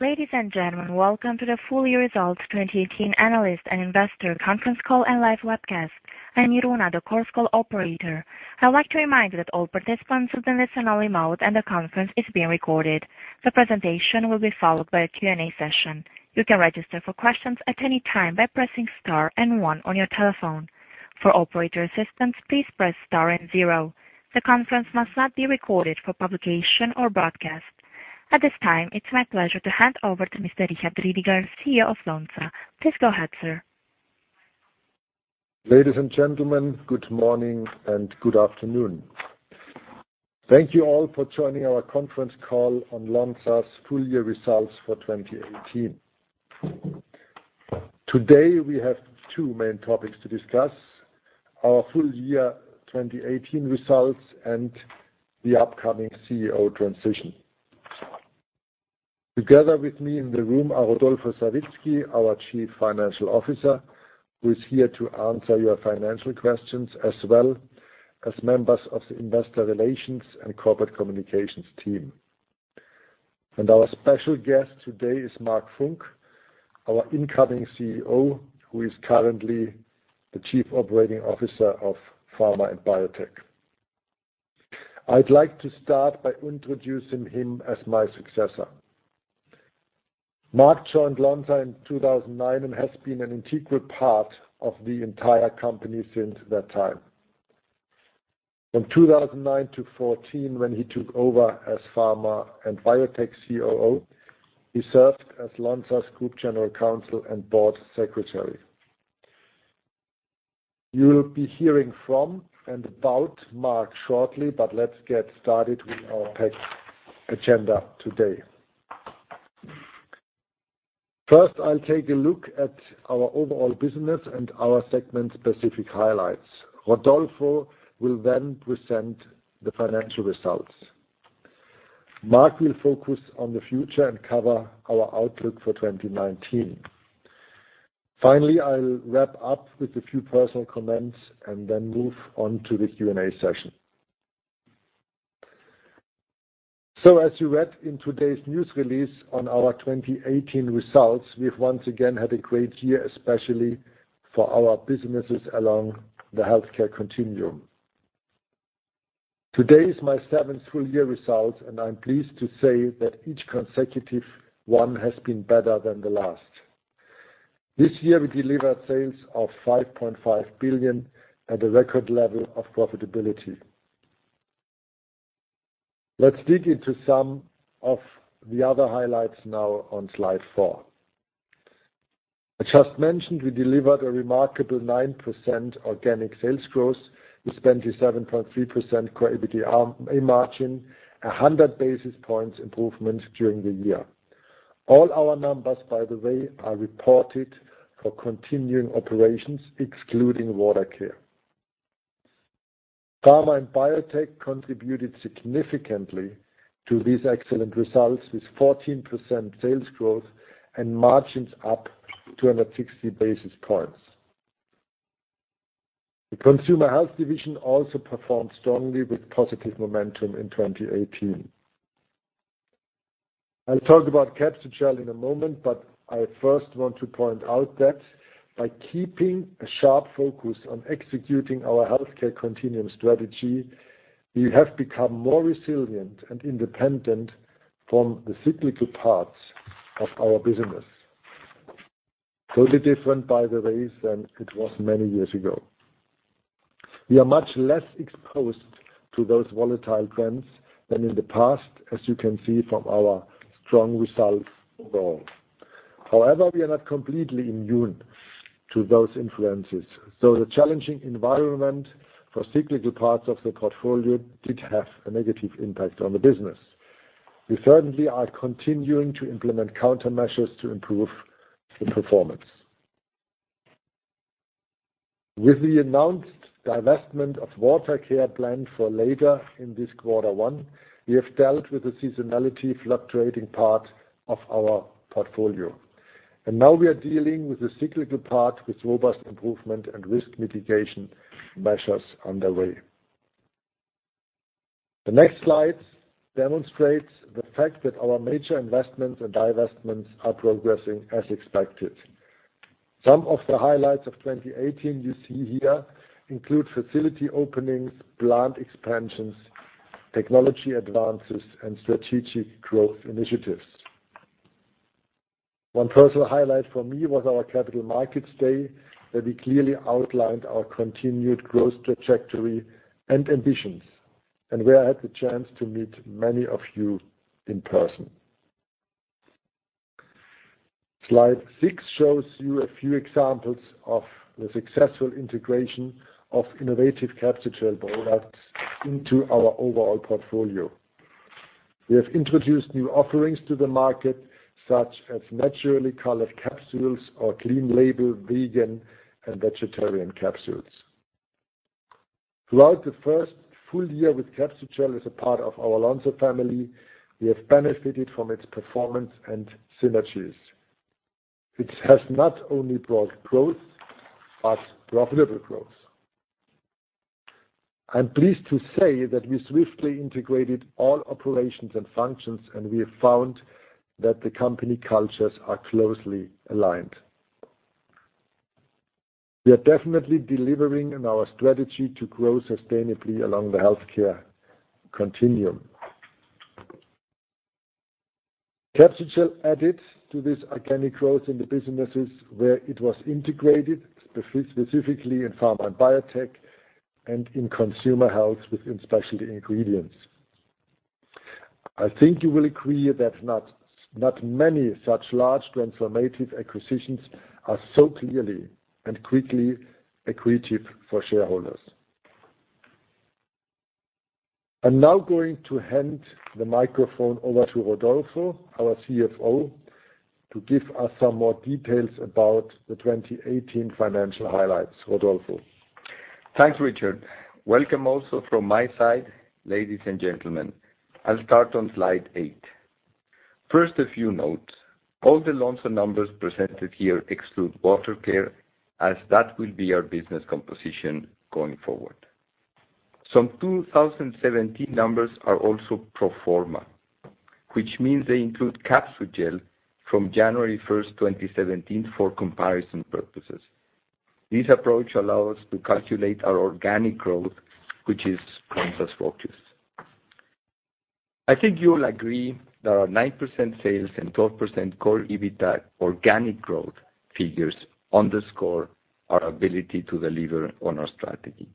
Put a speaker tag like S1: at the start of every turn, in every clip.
S1: Ladies and gentlemen, welcome to the Full Year Results 2018 Analyst and Investor Conference Call and live webcast. I'm Iruna, the call operator. I would like to remind you that all participants are in listen-only mode, and the conference is being recorded. The presentation will be followed by a Q&A session. You can register for questions at any time by pressing star and one on your telephone. For operator assistance, please press star and zero. The conference must not be recorded for publication or broadcast. At this time, it's my pleasure to hand over to Mr. Richard Ridinger, Chief Executive Officer of Lonza. Please go ahead, sir.
S2: Ladies and gentlemen, good morning and good afternoon. Thank you all for joining our conference call on Lonza's full year results for 2018. Today, we have two main topics to discuss, our full year 2018 results and the upcoming Chief Executive Officer transition. Together with me in the room are Rodolfo Savitzky, our Chief Financial Officer, who is here to answer your financial questions, as well as members of the investor relations and corporate communications team. Our special guest today is Marc Funk, our incoming Chief Executive Officer, who is currently the Chief Operating Officer of Pharma & Biotech. I'd like to start by introducing him as my successor. Marc joined Lonza in 2009 and has been an integral part of the entire company since that time. From 2009-2014, when he took over as Pharma & Biotech Chief Operating Officer, he served as Lonza's Group General Counsel and Board Secretary. You will be hearing from and about Marc shortly, let's get started with our packed agenda today. First, I'll take a look at our overall business and our segment-specific highlights. Rodolfo will present the financial results. Marc will focus on the future and cover our outlook for 2019. I'll wrap up with a few personal comments and then move on to the Q&A session. As you read in today's news release on our 2018 results, we've once again had a great year, especially for our businesses along the healthcare continuum. Today is my seventh full year result, I'm pleased to say that each consecutive one has been better than the last. This year, we delivered sales of 5.5 billion at a record level of profitability. Let's dig into some of the other highlights now on slide four. I just mentioned we delivered a remarkable 9% organic sales growth with 27.3% core EBITDA margin, 100 basis points improvement during the year. All our numbers, by the way, are reported for continuing operations, excluding Water Care. Pharma & Biotech contributed significantly to these excellent results, with 14% sales growth and margins up 260 basis points. The Consumer Health division also performed strongly with positive momentum in 2018. I'll talk about Capsugel in a moment, I first want to point out that by keeping a sharp focus on executing our healthcare continuum strategy, we have become more resilient and independent from the cyclical parts of our business. Totally different, by the way, than it was many years ago. We are much less exposed to those volatile trends than in the past, as you can see from our strong results overall. We are not completely immune to those influences. The challenging environment for cyclical parts of the portfolio did have a negative impact on the business. We certainly are continuing to implement countermeasures to improve the performance. With the announced divestment of Water Care planned for later in this quarter one, we have dealt with the seasonality fluctuating part of our portfolio. Now we are dealing with the cyclical part with robust improvement and risk mitigation measures underway. The next slide demonstrates the fact that our major investments and divestments are progressing as expected. Some of the highlights of 2018 you see here include facility openings, plant expansions, technology advances, and strategic growth initiatives. One personal highlight for me was our Capital Markets Day, where we clearly outlined our continued growth trajectory and ambitions and where I had the chance to meet many of you in person. Slide six shows you a few examples of the successful integration of innovative Capsugel products into our overall portfolio. We have introduced new offerings to the market, such as naturally colored capsules or clean-label vegan and vegetarian capsules. Throughout the first full year with Capsugel as a part of our Lonza family, we have benefited from its performance and synergies. It has not only brought growth, but profitable growth. I'm pleased to say that we swiftly integrated all operations and functions, and we have found that the company cultures are closely aligned. We are definitely delivering on our strategy to grow sustainably along the healthcare continuum. Capsugel added to this organic growth in the businesses where it was integrated, specifically in Pharma & Biotech, and in Consumer Health within Specialty Ingredients. I think you will agree that not many such large transformative acquisitions are so clearly and quickly accretive for shareholders. I'm now going to hand the microphone over to Rodolfo, our Chief Financial Officer, to give us some more details about the 2018 financial highlights. Rodolfo?
S3: Thanks, Richard. Welcome also from my side, ladies and gentlemen. I'll start on slide eight. First, a few notes. All the Lonza numbers presented here exclude Water Care, as that will be our business composition going forward. Some 2017 numbers are also pro forma, which means they include Capsugel from January 1st, 2017, for comparison purposes. This approach allows to calculate our organic growth, which is Lonza's focus. I think you will agree that our 9% sales and 12% core EBITDA organic growth figures underscore our ability to deliver on our strategy.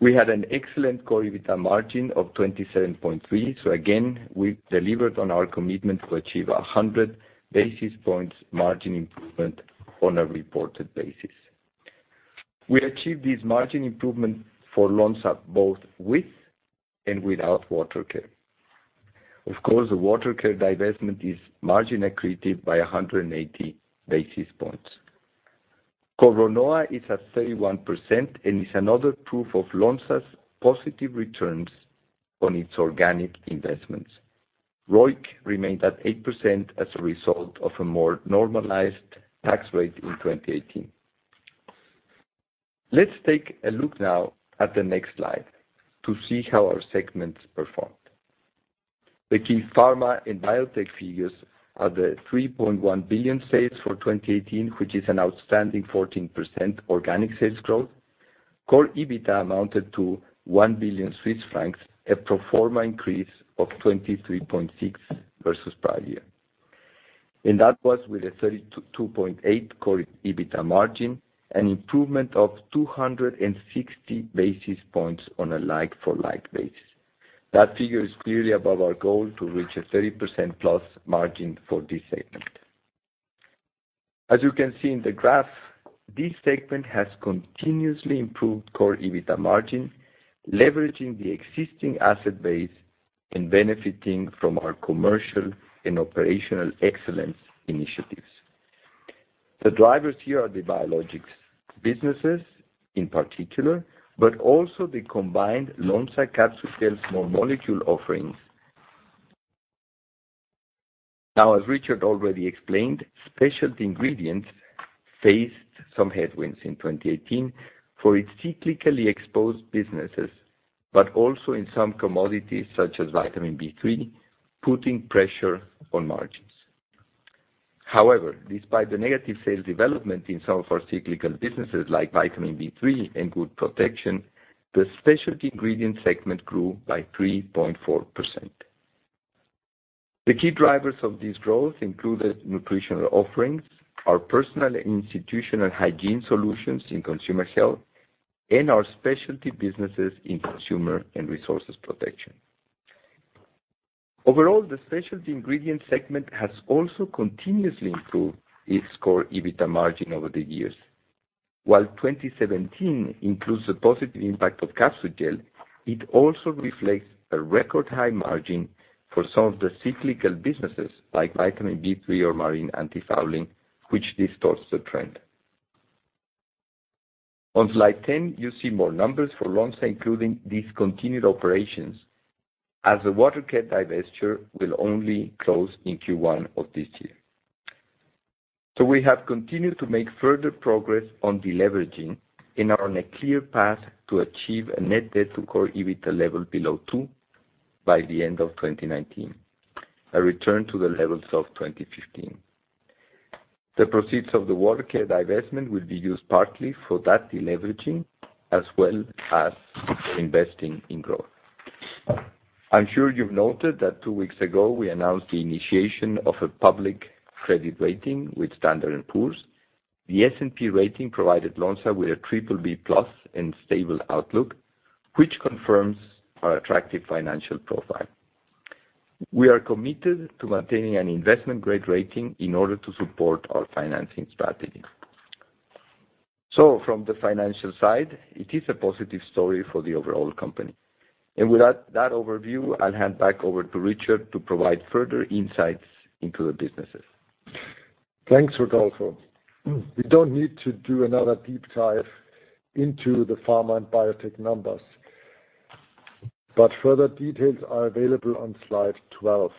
S3: We had an excellent core EBITDA margin of 27.3%. Again, we delivered on our commitment to achieve 100 basis points margin improvement on a reported basis. We achieved this margin improvement for Lonza both with and without Water Care. Of course, the Water Care divestment is margin accretive by 180 basis points. Core RONOA is at 31% and is another proof of Lonza's positive returns on its organic investments. ROIC remained at 8% as a result of a more normalized tax rate in 2018. Let's take a look now at the next slide to see how our segments performed. The key Pharma & Biotech figures are the 3.1 billion sales for 2018, which is an outstanding 14% organic sales growth. core EBITDA amounted to 1 billion Swiss francs, a pro forma increase of 23.6% versus prior year. That was with a 32.8% core EBITDA margin, an improvement of 260 basis points on a like-for-like basis. That figure is clearly above our goal to reach a 30%+ margin for this segment. You can see in the graph, this segment has continuously improved core EBITDA margin, leveraging the existing asset base and benefiting from our commercial and operational excellence initiatives. The drivers here are the biologics businesses in particular, but also the combined Lonza Capsugel small molecule offerings. As Richard already explained, Specialty Ingredients faced some headwinds in 2018 for its cyclically exposed businesses, but also in some commodities such as vitamin B3, putting pressure on margins. However, despite the negative sales development in some of our cyclical businesses like vitamin B3 and wood protection, the Specialty Ingredients segment grew by 3.4%. The key drivers of this growth included nutritional offerings, our personal and institutional hygiene solutions in Consumer Health, and our specialty businesses in Consumer & Resources Protection. Overall, the Specialty Ingredients segment has also continuously improved its core EBITDA margin over the years. While 2017 includes the positive impact of Capsugel, it also reflects a record high margin for some of the cyclical businesses like vitamin B3 or marine antifouling, which distorts the trend. On slide 10, you see more numbers for Lonza, including discontinued operations as the Water Care divestiture will only close in Q1 of this year. We have continued to make further progress on deleveraging and are on a clear path to achieve a net debt to core EBITDA level below 2x by the end of 2019. A return to the levels of 2015. The proceeds of the Water Care divestment will be used partly for that deleveraging, as well as for investing in growth. I'm sure you've noted that two weeks ago, we announced the initiation of a public credit rating with Standard & Poor's. The S&P rating provided Lonza with a BBB+ and stable outlook, which confirms our attractive financial profile. We are committed to maintaining an investment-grade rating in order to support our financing strategy. From the financial side, it is a positive story for the overall company. With that overview, I'll hand back over to Richard to provide further insights into the businesses.
S2: Thanks, Rodolfo. We don't need to do another deep dive into the Lonza Pharma & Biotech numbers. Further details are available on slide 12.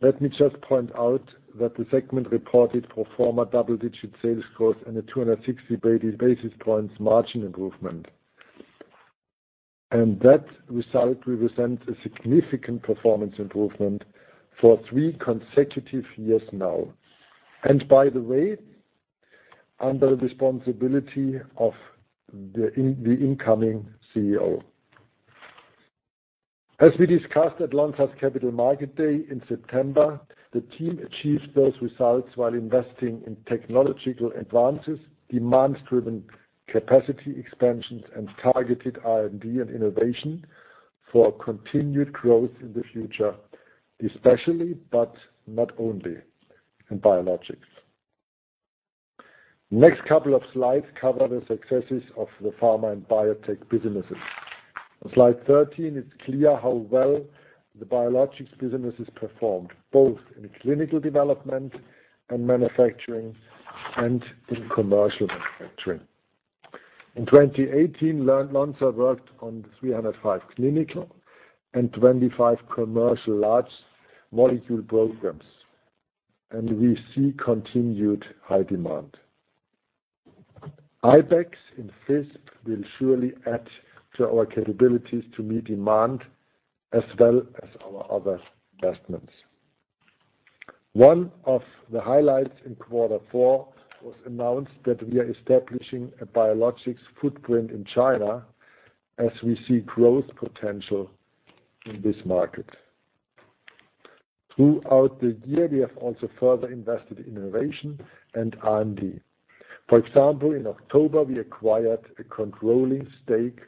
S2: Let me just point out that the segment reported pro forma double-digit sales growth and a 260 basis points margin improvement. That result represents a significant performance improvement for three consecutive years now. By the way, under the responsibility of the incoming Chief Executive Officer. As we discussed at Lonza's Capital Markets Day in September, the team achieved those results while investing in technological advances, demands-driven capacity expansions, and targeted R&D and innovation for continued growth in the future, especially, but not only in biologics. Next couple of slides cover the successes of the Lonza Pharma & Biotech businesses. On Slide 13, it's clear how well the biologics businesses performed, both in clinical development and manufacturing and in commercial manufacturing. In 2018, Lonza worked on 305 clinical and 25 commercial large molecule programs. We see continued high demand. Ibex in Switzerland will surely add to our capabilities to meet demand as well as our other investments. One of the highlights in quarter four was announced that we are establishing a biologics footprint in China as we see growth potential in this market. Throughout the year, we have also further invested in innovation and R&D. For example, in October, we acquired a controlling stake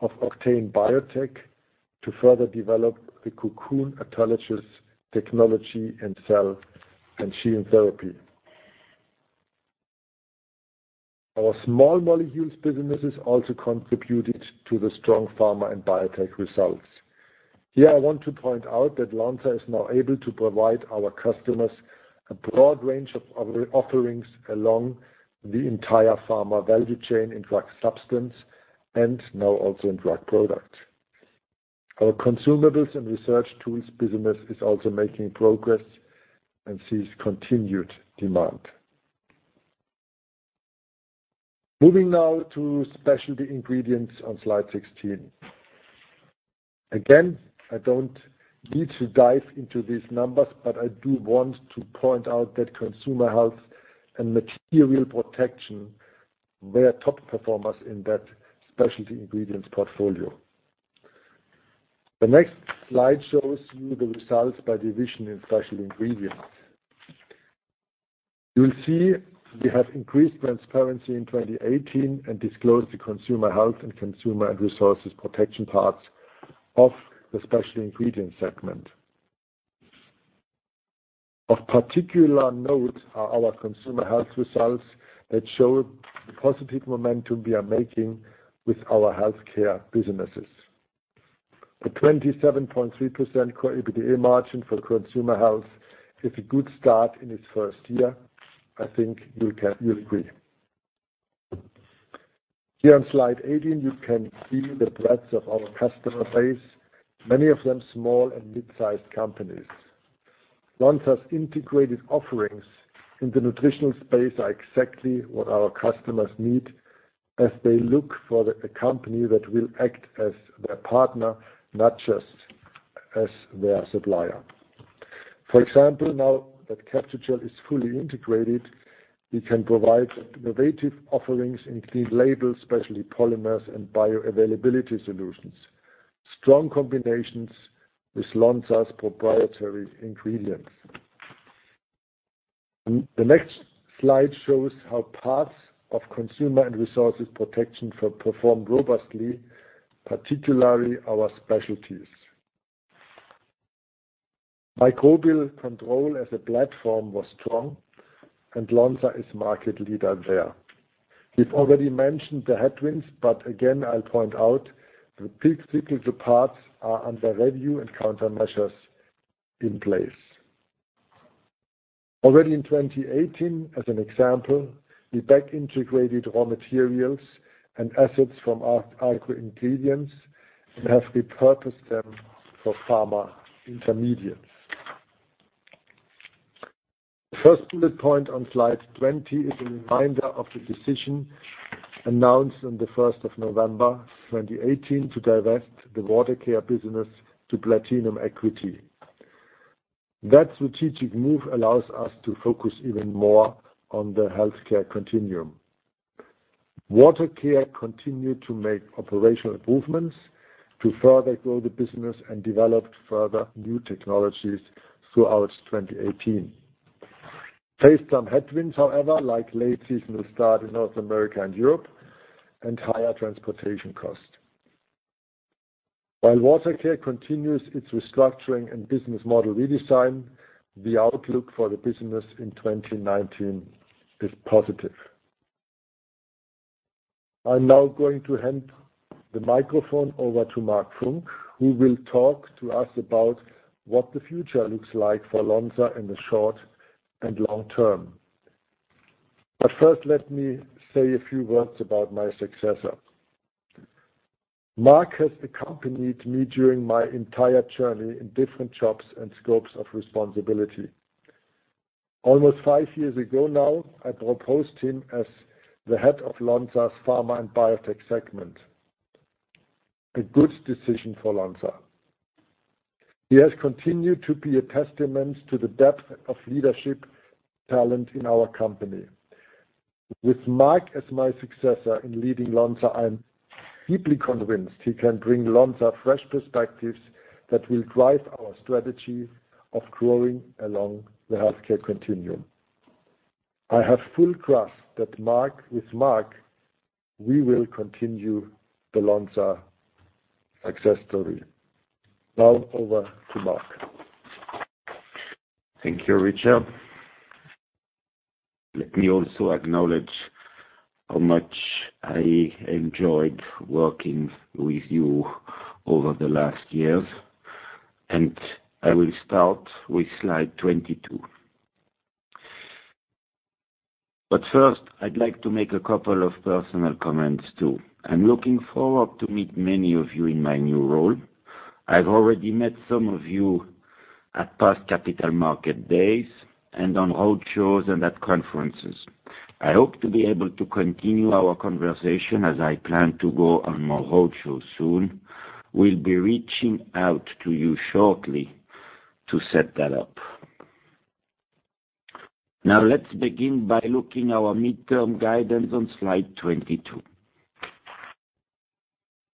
S2: of Octane Biotech to further develop the Cocoon intelligence technology and cell and gene therapy. Our small molecules businesses also contributed to the strong Lonza Pharma & Biotech results. Here I want to point out that Lonza is now able to provide our customers a broad range of offerings along the entire pharma value chain in drug substance and now also in drug product. Our consumables and research tools business is also making progress and sees continued demand. Moving now to Specialty Ingredients on Slide 16. Again, I don't need to dive into these numbers. I do want to point out that Consumer Health and Consumer & Resources Protection were top performers in that Specialty Ingredients portfolio. The next slide shows you the results by division in Specialty Ingredients. You will see we have increased transparency in 2018 and disclosed the Consumer Health and Consumer & Resources Protection parts of the Specialty Ingredients segment. Of particular note are our Consumer Health results that show the positive momentum we are making with our healthcare businesses. The 27.3% core EBITDA margin for Consumer Health is a good start in its first year. I think you'll agree. Here on Slide 18, you can see the breadth of our customer base, many of them small and mid-sized companies. Lonza's integrated offerings in the nutritional space are exactly what our customers need as they look for a company that will act as their partner, not just as their supplier. For example, now that Capsugel is fully integrated, we can provide innovative offerings in clean labels, specialty polymers, and bioavailability solutions. Strong combinations with Lonza's proprietary ingredients. The next slide shows how parts of Consumer & Resources Protection performed robustly, particularly our specialties. Microbial control as a platform was strong. Lonza is market leader there. We've already mentioned the headwinds. Again, I'll point out the peak cyclical parts are under review and countermeasures in place. Already in 2018, as an example, we back-integrated raw materials and assets from our agro ingredients and have repurposed them for pharma intermediates. The first bullet point on Slide 20 is a reminder of the decision announced on the 1st of November 2018 to divest the Water Care business to Platinum Equity. That strategic move allows us to focus even more on the healthcare continuum. Water Care continued to make operational improvements to further grow the business and developed further new technologies throughout 2018. Faced some headwinds, however, like late seasonal start in North America and Europe and higher transportation cost. While Water Care continues its restructuring and business model redesign, the outlook for the business in 2019 is positive. I am now going to hand the microphone over to Marc Funk, who will talk to us about what the future looks like for Lonza in the short and long term. First, let me say a few words about my successor. Marc has accompanied me during my entire journey in different jobs and scopes of responsibility. Almost five years ago now, I proposed him as the head of Lonza Pharma & Biotech segment, a good decision for Lonza. He has continued to be a testament to the depth of leadership talent in our company. With Marc as my successor in leading Lonza, I am deeply convinced he can bring Lonza fresh perspectives that will drive our strategy of growing along the healthcare continuum. I have full trust that with Marc, we will continue the Lonza success story. Now over to Marc.
S4: Thank you, Richard. Let me also acknowledge how much I enjoyed working with you over the last years. I will start with slide 22. First, I would like to make a couple of personal comments, too. I am looking forward to meet many of you in my new role. I have already met some of you at past Capital Markets Days, and on road shows, and at conferences. I hope to be able to continue our conversation as I plan to go on more road shows soon. We will be reaching out to you shortly to set that up. Now let us begin by looking our midterm guidance on slide 22.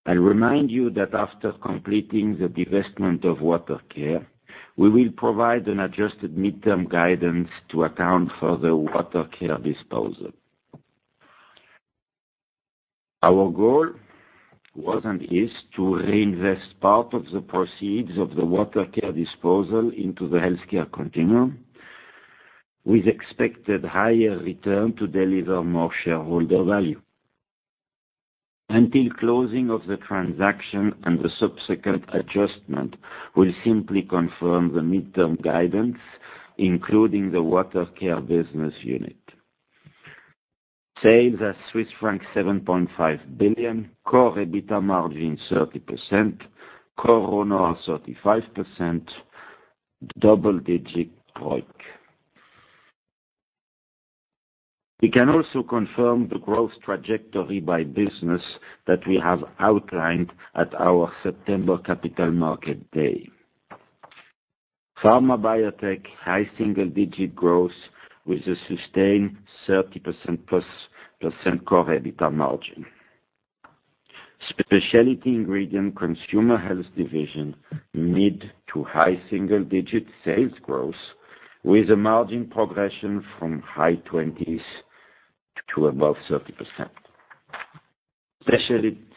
S4: I will remind you that after completing the divestment of Water Care, we will provide an adjusted midterm guidance to account for the Water Care disposal. Our goal was and is to reinvest part of the proceeds of the Water Care disposal into the healthcare continuum with expected higher return to deliver more shareholder value. Until closing of the transaction and the subsequent adjustment will simply confirm the midterm guidance, including the Water Care business unit. Sales at Swiss franc 7.5 billion, core EBITDA margin 30%, core RONOA 35%, double-digit ROIC. We can also confirm the growth trajectory by business that we have outlined at our September Capital Markets Day. Lonza Pharma & Biotech, high single-digit growth with a sustained 30%+ core EBITDA margin. Specialty Ingredients Consumer Health division, mid to high single-digit sales growth with a margin progression from high 20s to above 30%.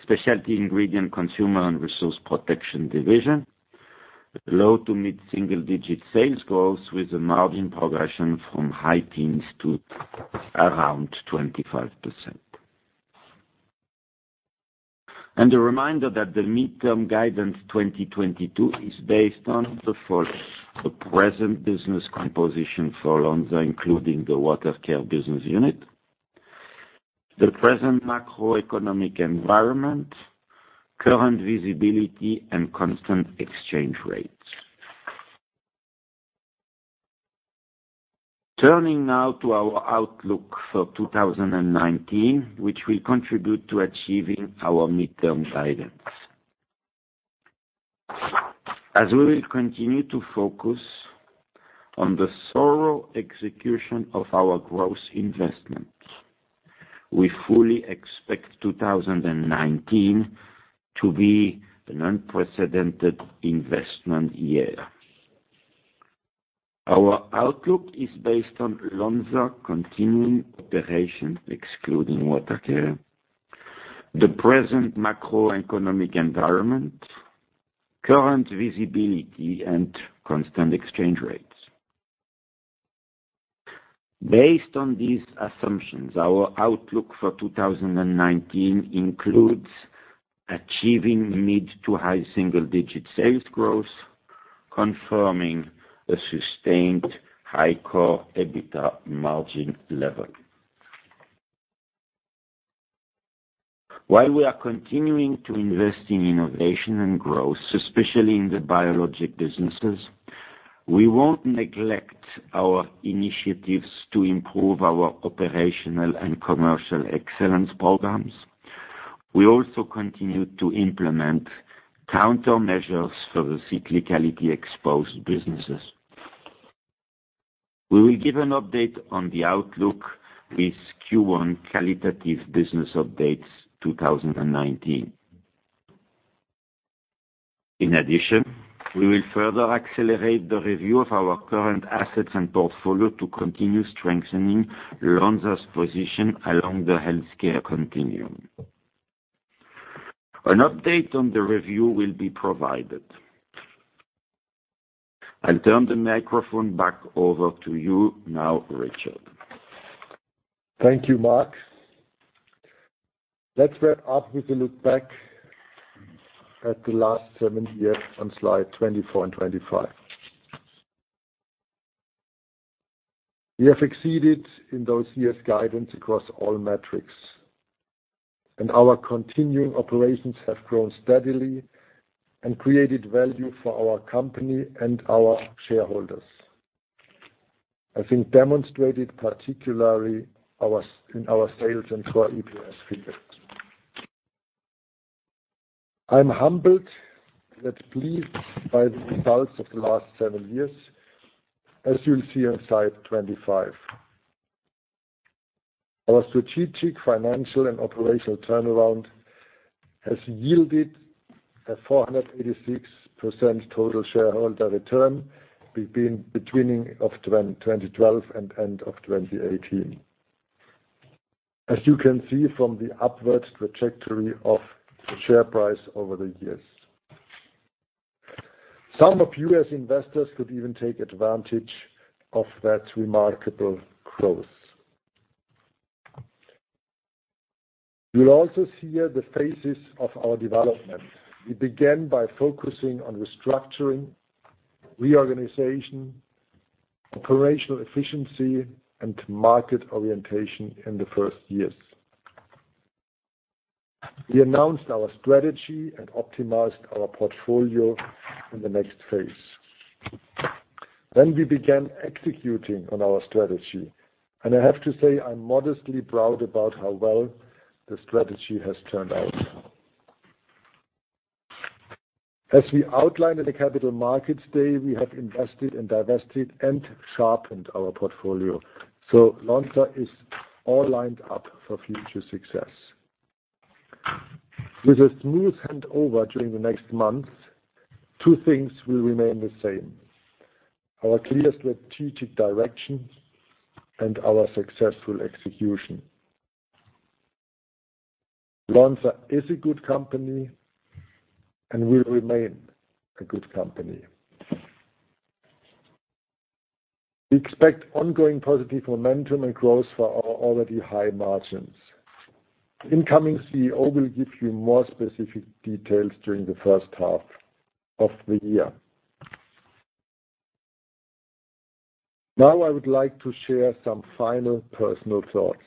S4: Specialty Ingredients Consumer & Resources Protection division, low to mid single-digit sales growth with a margin progression from high teens to around 25%. A reminder that the midterm guidance 2022 is based on the present business composition for Lonza, including the Water Care business unit, the present macroeconomic environment, current visibility, and constant exchange rates. Turning now to our outlook for 2019, which will contribute to achieving our midterm guidance. As we will continue to focus on the thorough execution of our growth investments, we fully expect 2019 to be an unprecedented investment year. Our outlook is based on Lonza continuing operations excluding Water Care, the present macroeconomic environment, current visibility, and constant exchange rates. Based on these assumptions, our outlook for 2019 includes achieving mid to high single-digit sales growth, confirming a sustained high core EBITDA margin level. While we are continuing to invest in innovation and growth, especially in the biologic businesses, we won't neglect our initiatives to improve our operational and commercial excellence programs. We also continue to implement countermeasures for the cyclicality-exposed businesses. We will give an update on the outlook with Q1 qualitative business updates 2019. In addition, we will further accelerate the review of our current assets and portfolio to continue strengthening Lonza's position along the healthcare continuum. An update on the review will be provided. I'll turn the microphone back over to you now, Richard.
S2: Thank you, Marc. Let's wrap up with a look back at the last seven years on slide 24 and slide 25. We have exceeded in those years guidance across all metrics, and our continuing operations have grown steadily and created value for our company and our shareholders. I think demonstrated particularly in our sales and core EPS figures. I'm humbled yet pleased by the results of the last seven years, as you'll see on slide 25. Our strategic, financial, and operational turnaround has yielded a 486% total shareholder return between beginning of 2012 and end of 2018. As you can see from the upward trajectory of the share price over the years. Some of you as investors could even take advantage of that remarkable growth. You'll also see here the phases of our development. We began by focusing on restructuring, reorganization, operational efficiency, and market orientation in the first years. We announced our strategy and optimized our portfolio in the next phase. We began executing on our strategy, and I have to say, I'm modestly proud about how well the strategy has turned out. As we outlined at the Capital Markets Day, we have invested and divested and sharpened our portfolio. Lonza is all lined up for future success. With a smooth handover during the next months, two things will remain the same, our clear strategic direction and our successful execution. Lonza is a good company and will remain a good company. We expect ongoing positive momentum and growth for our already high margins. Incoming Chief Executive Officer will give you more specific details during the first half of the year. I would like to share some final personal thoughts.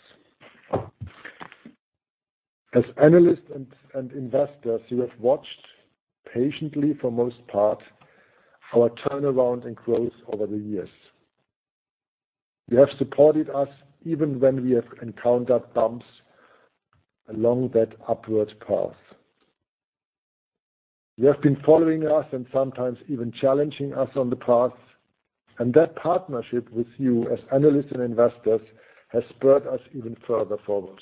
S2: As analysts and investors, you have watched patiently, for most part, our turnaround and growth over the years. You have supported us even when we have encountered bumps along that upward path. You have been following us and sometimes even challenging us on the path, that partnership with you as analysts and investors has spurred us even further forward.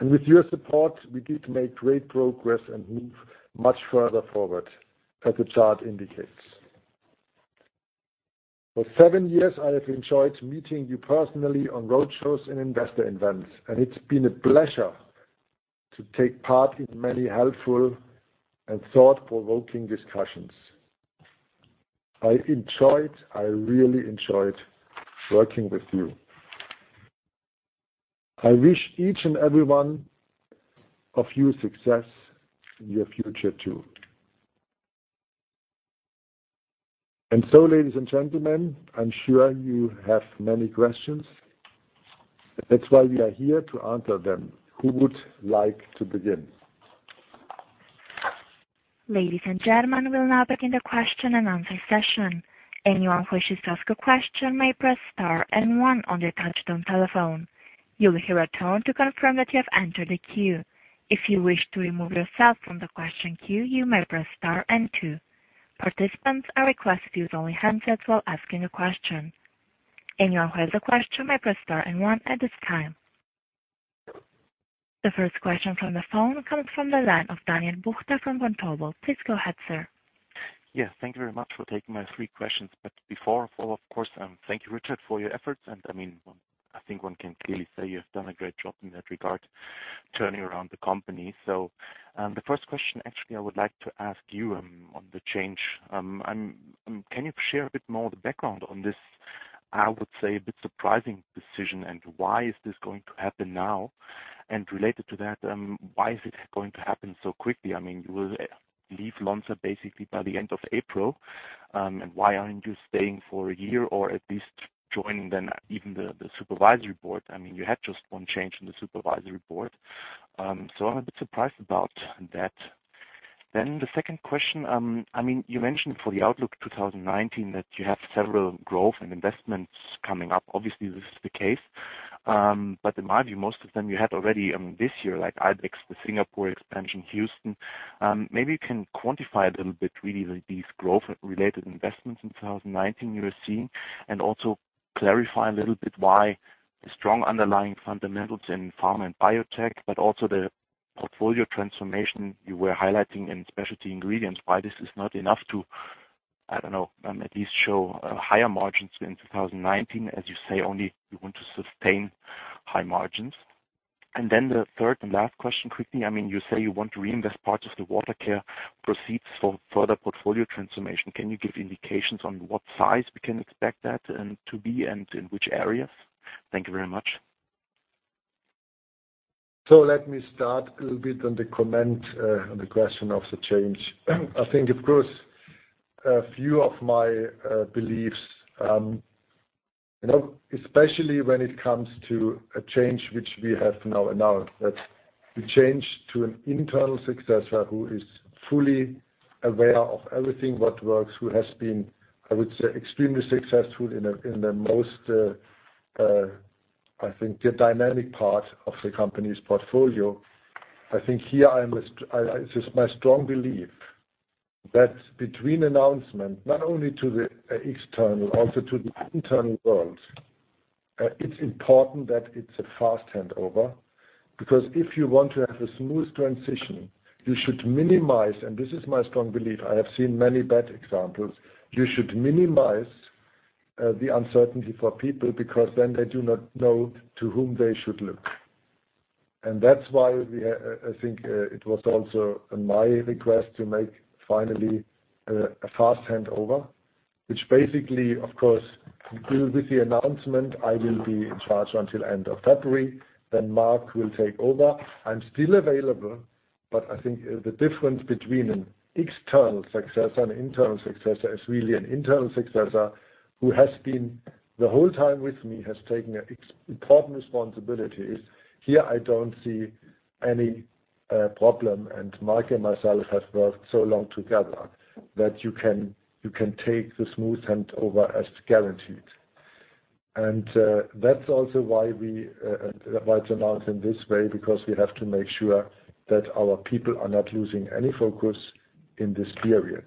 S2: With your support, we did make great progress and move much further forward, as the chart indicates. For seven years, I have enjoyed meeting you personally on road shows and investor events, and it's been a pleasure to take part in many helpful and thought-provoking discussions. I really enjoyed working with you. I wish each and every one of you success in your future, too. Ladies and gentlemen, I'm sure you have many questions. That's why we are here to answer them. Who would like to begin?
S1: Ladies and gentlemen, we'll now begin the question and answer session. Anyone who wishes to ask a question may press star and one on their touchtone telephone. You'll hear a tone to confirm that you have entered the queue. If you wish to remove yourself from the question queue, you may press star and two. Participants are requested to use only handsets while asking a question. Anyone who has a question may press star and one at this time. The first question from the phone comes from the line of Daniel Buchta from Vontobel. Please go ahead, sir.
S5: Yes, thank you very much for taking my three questions. Before, of course, thank you, Richard, for your efforts. I think one can clearly say you have done a great job in that regard, turning around the company. The first question actually I would like to ask you on the change. Can you share a bit more the background on this, I would say, a bit surprising decision, and why is this going to happen now? Related to that, why is it going to happen so quickly? You will leave Lonza basically by the end of April. Why aren't you staying for a year or at least joining then even the supervisory board? You have just one change in the supervisory board. I'm a bit surprised about that. The second question, you mentioned for the outlook 2019 that you have several growth and investments coming up. Obviously, this is the case. In my view, most of them you have already this year, like Ibex, the Singapore expansion, Houston. Maybe you can quantify a little bit really these growth-related investments in 2019 you are seeing and also clarify a little bit why the strong underlying fundamentals in pharma and biotech, but also the portfolio transformation you were highlighting in Specialty Ingredients, why this is not enough to, I don't know, at least show higher margins in 2019, as you say, only you want to sustain high margins. The third and last question quickly, you say you want to reinvest parts of the Water Care proceeds for further portfolio transformation. Can you give indications on what size we can expect that and to be and in which areas? Thank you very much.
S2: Let me start a little bit on the comment on the question of the change. I think, of course, a few of my beliefs, especially when it comes to a change which we have now announced. That we change to an internal successor who is fully aware of everything what works, who has been, I would say, extremely successful in the most, I think, the dynamic part of the company's portfolio. I think here it is my strong belief that between announcement, not only to the external, also to the internal world, it's important that it's a fast handover. If you want to have a smooth transition, you should minimize, and this is my strong belief, I have seen many bad examples. You should minimize the uncertainty for people because then they do not know to whom they should look. That's why I think it was also my request to make finally a fast handover, which basically, of course, will with the announcement, I will be in charge until end of February, then Marc will take over. I'm still available, but I think the difference between an external successor and internal successor is really an internal successor who has been the whole time with me, has taken important responsibilities. Here I don't see any problem, Marc and myself have worked so long together that you can take the smooth handover as guaranteed. That's also why it's announced in this way, we have to make sure that our people are not losing any focus in this period.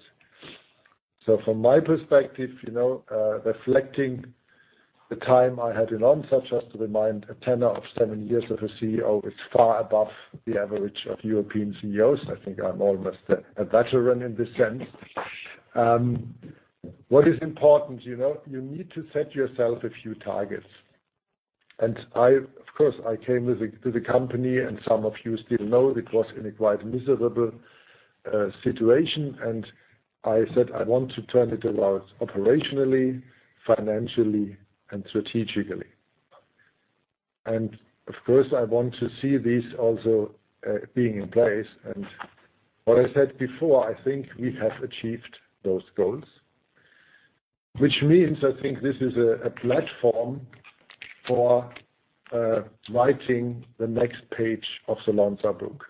S2: From my perspective, reflecting the time I had in Lonza, just to remind, a tenure of seven years as a Chief Executive Officer is far above the average of European Chief Executive Officers. I think I'm almost a veteran in this sense. What is important, you need to set yourself a few targets. Of course, I came to the company, some of you still know it was in a quite miserable situation. I said I want to turn it around operationally, financially and strategically. Of course, I want to see these also being in place. What I said before, I think we have achieved those goals. Which means I think this is a platform for writing the next page of the Lonza book.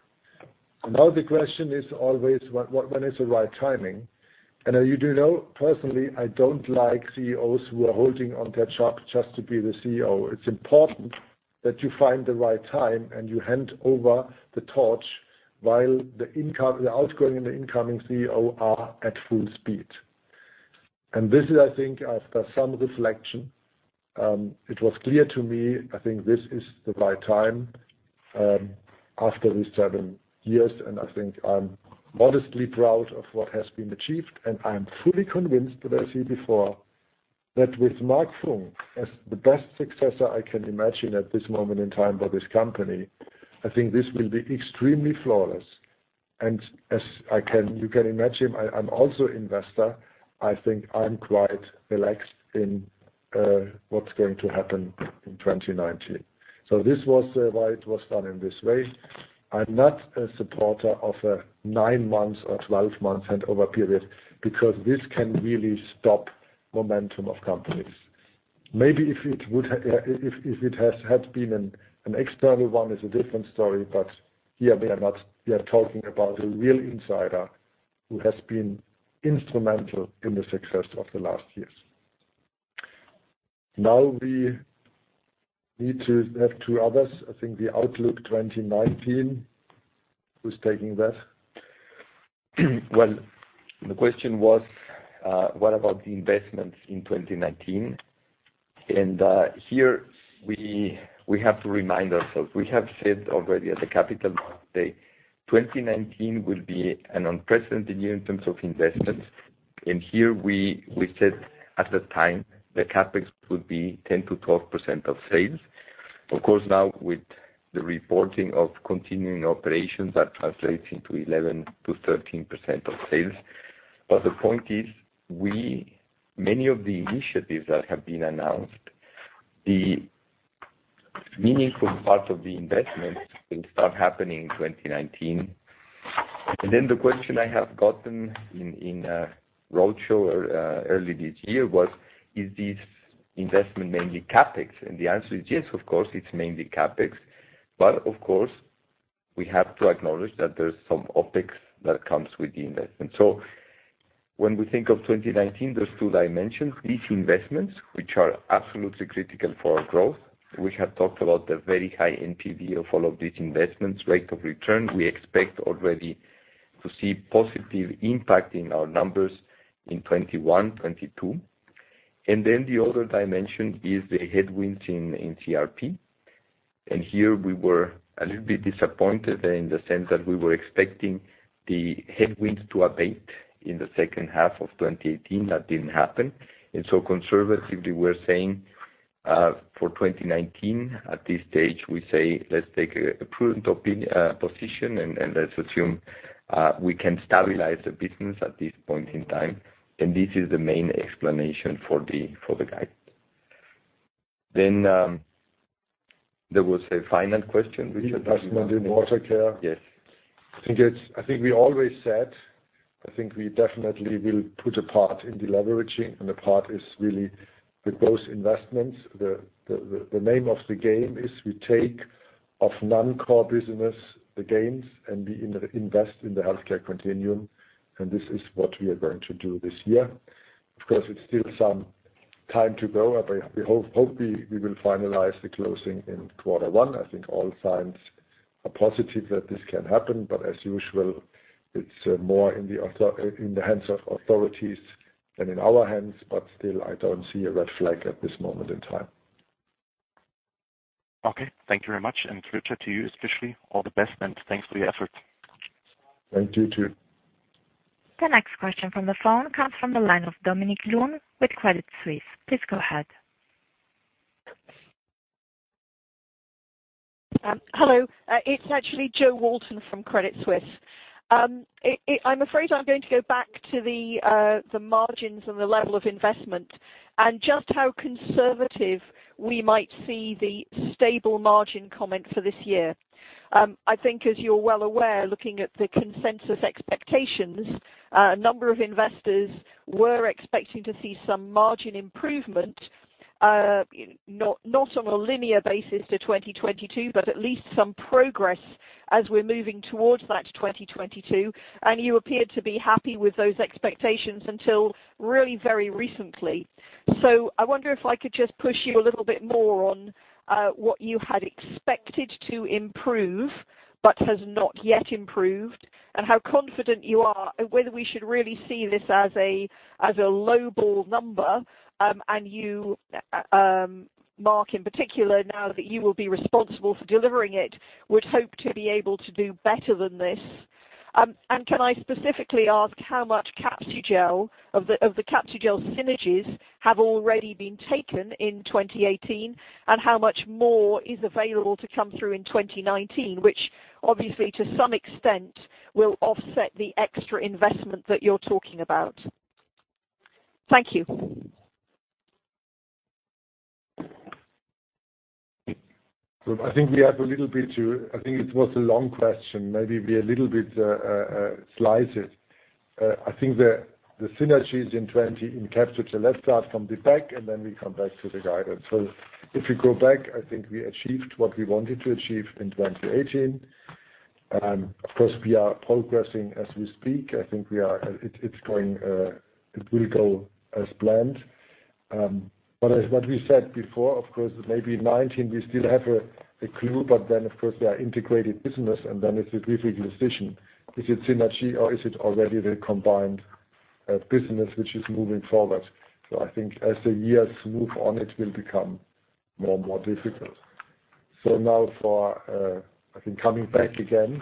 S2: The question is always, when is the right timing? As you do know, personally, I don't like Chief Executive Officers who are holding on their job just to be the Chief Executive Officer. It's important that you find the right time and you hand over the torch while the outgoing and the incoming Chief Executive Officer are at full speed. This is, I think, after some reflection, it was clear to me, this is the right time, after these seven years. I think I'm modestly proud of what has been achieved, and I am fully convinced that I said before that with Marc Funk as the best successor I can imagine at this moment in time for this company, this will be extremely flawless. As you can imagine, I'm also investor. I think I'm quite relaxed in what's going to happen in 2019. This was why it was done in this way. I'm not a supporter of a nine months or 12 months handover period because this can really stop momentum of companies. Maybe if it had been an external one is a different story, here we are talking about a real insider who has been instrumental in the success of the last years. Now we need to have two others. I think the outlook 2019. Who's taking that?
S3: The question was, what about the investments in 2019? Here we have to remind ourselves, we have said already at the Capital Markets Day, 2019 will be an unprecedented year in terms of investments. Here we said at the time the CapEx would be 10%-12% of sales. Of course, now with the reporting of continuing operations, that translates into 11%-13% of sales. The point is, many of the initiatives that have been announced, the meaningful part of the investment will start happening in 2019. The question I have gotten in roadshow early this year was, is this investment mainly CapEx? The answer is yes, of course, it's mainly CapEx. Of course, we have to acknowledge that there's some OpEx that comes with the investment. When we think of 2019, there's two dimensions. These investments, which are absolutely critical for our growth. We have talked about the very high NPV of all of these investments, rate of return. We expect already to see positive impact in our numbers in 2021, 2022. The other dimension is the headwinds in Consumer & Resources Protection. Here we were a little bit disappointed in the sense that we were expecting the headwinds to abate in the second half of 2018. That didn't happen. Conservatively, we're saying for 2019, at this stage, we say let's take a prudent position and let's assume we can stabilize the business at this point in time. This is the main explanation for the guide
S4: There was a final question, which.
S2: The investment in Water Care.
S4: Yes.
S2: I think we always said, I think we definitely will put a part in deleveraging, and the part is really with those investments. The name of the game is we take of non-core business, the gains, and we invest in the healthcare continuum, and this is what we are going to do this year. Of course, it is still some time to go. Hopefully, we will finalize the closing in quarter one. I think all signs are positive that this can happen, but as usual, it is more in the hands of authorities than in our hands. Still, I don't see a red flag at this moment in time.
S5: Okay. Thank you very much, and Richard, to you especially, all the best and thanks for your effort.
S2: Thank you, too.
S1: The next question from the phone comes from the line of Dominique Bünzli with Credit Suisse. Please go ahead.
S6: Hello. It's actually Jo Walton from Credit Suisse. I'm afraid I'm going to go back to the margins and the level of investment and just how conservative we might see the stable margin comment for this year. I think, as you're well aware, looking at the consensus expectations, a number of investors were expecting to see some margin improvement. Not on a linear basis to 2022, but at least some progress as we're moving towards that 2022, and you appeared to be happy with those expectations until really very recently. I wonder if I could just push you a little bit more on what you had expected to improve but has not yet improved and how confident you are, whether we should really see this as a low ball number. You, Marc in particular, now that you will be responsible for delivering it, would hope to be able to do better than this. Can I specifically ask how much of the Capsugel synergies have already been taken in 2018, and how much more is available to come through in 2019, which obviously to some extent will offset the extra investment that you're talking about? Thank you.
S2: I think it was a long question. Maybe we a little bit slice it. I think the synergies in Capsugel, let's start from the back and then we come back to the guidance. If we go back, I think we achieved what we wanted to achieve in 2018. Of course, we are progressing as we speak. I think it will go as planned. As what we said before, of course, maybe 2019, we still have a clue. Of course, we are integrated business, and then it's a decision. Is it synergy or is it already the combined business which is moving forward? I think as the years move on, it will become more and more difficult. I think coming back again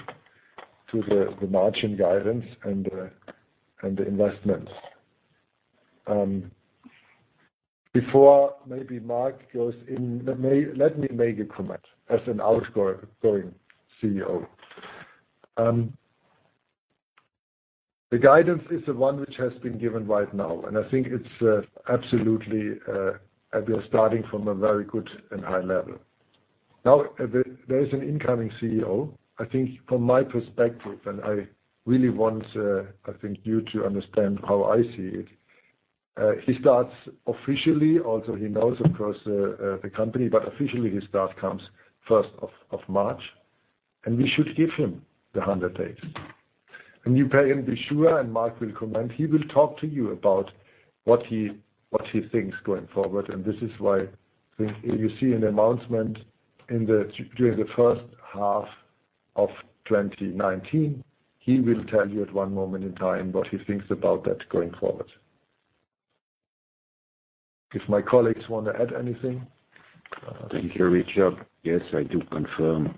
S2: to the margin guidance and the investments. Before maybe Marc goes in, let me make a comment as an outgoing Chief Executive Officer. The guidance is the one which has been given right now. I think it's absolutely, we are starting from a very good and high level. There is an incoming Chief Executive Officer. I think from my perspective, I really want you to understand how I see it. He starts officially, although he knows, of course, the company. Officially his start comes 1st of March, and we should give him the 100 days. A new PE in the sure. Marc will comment. He will talk to you about what he thinks going forward. This is why, I think you see an announcement during the first half of 2019. He will tell you at one moment in time what he thinks about that going forward. If my colleagues want to add anything.
S4: Thank you, Richard. Yes, I do confirm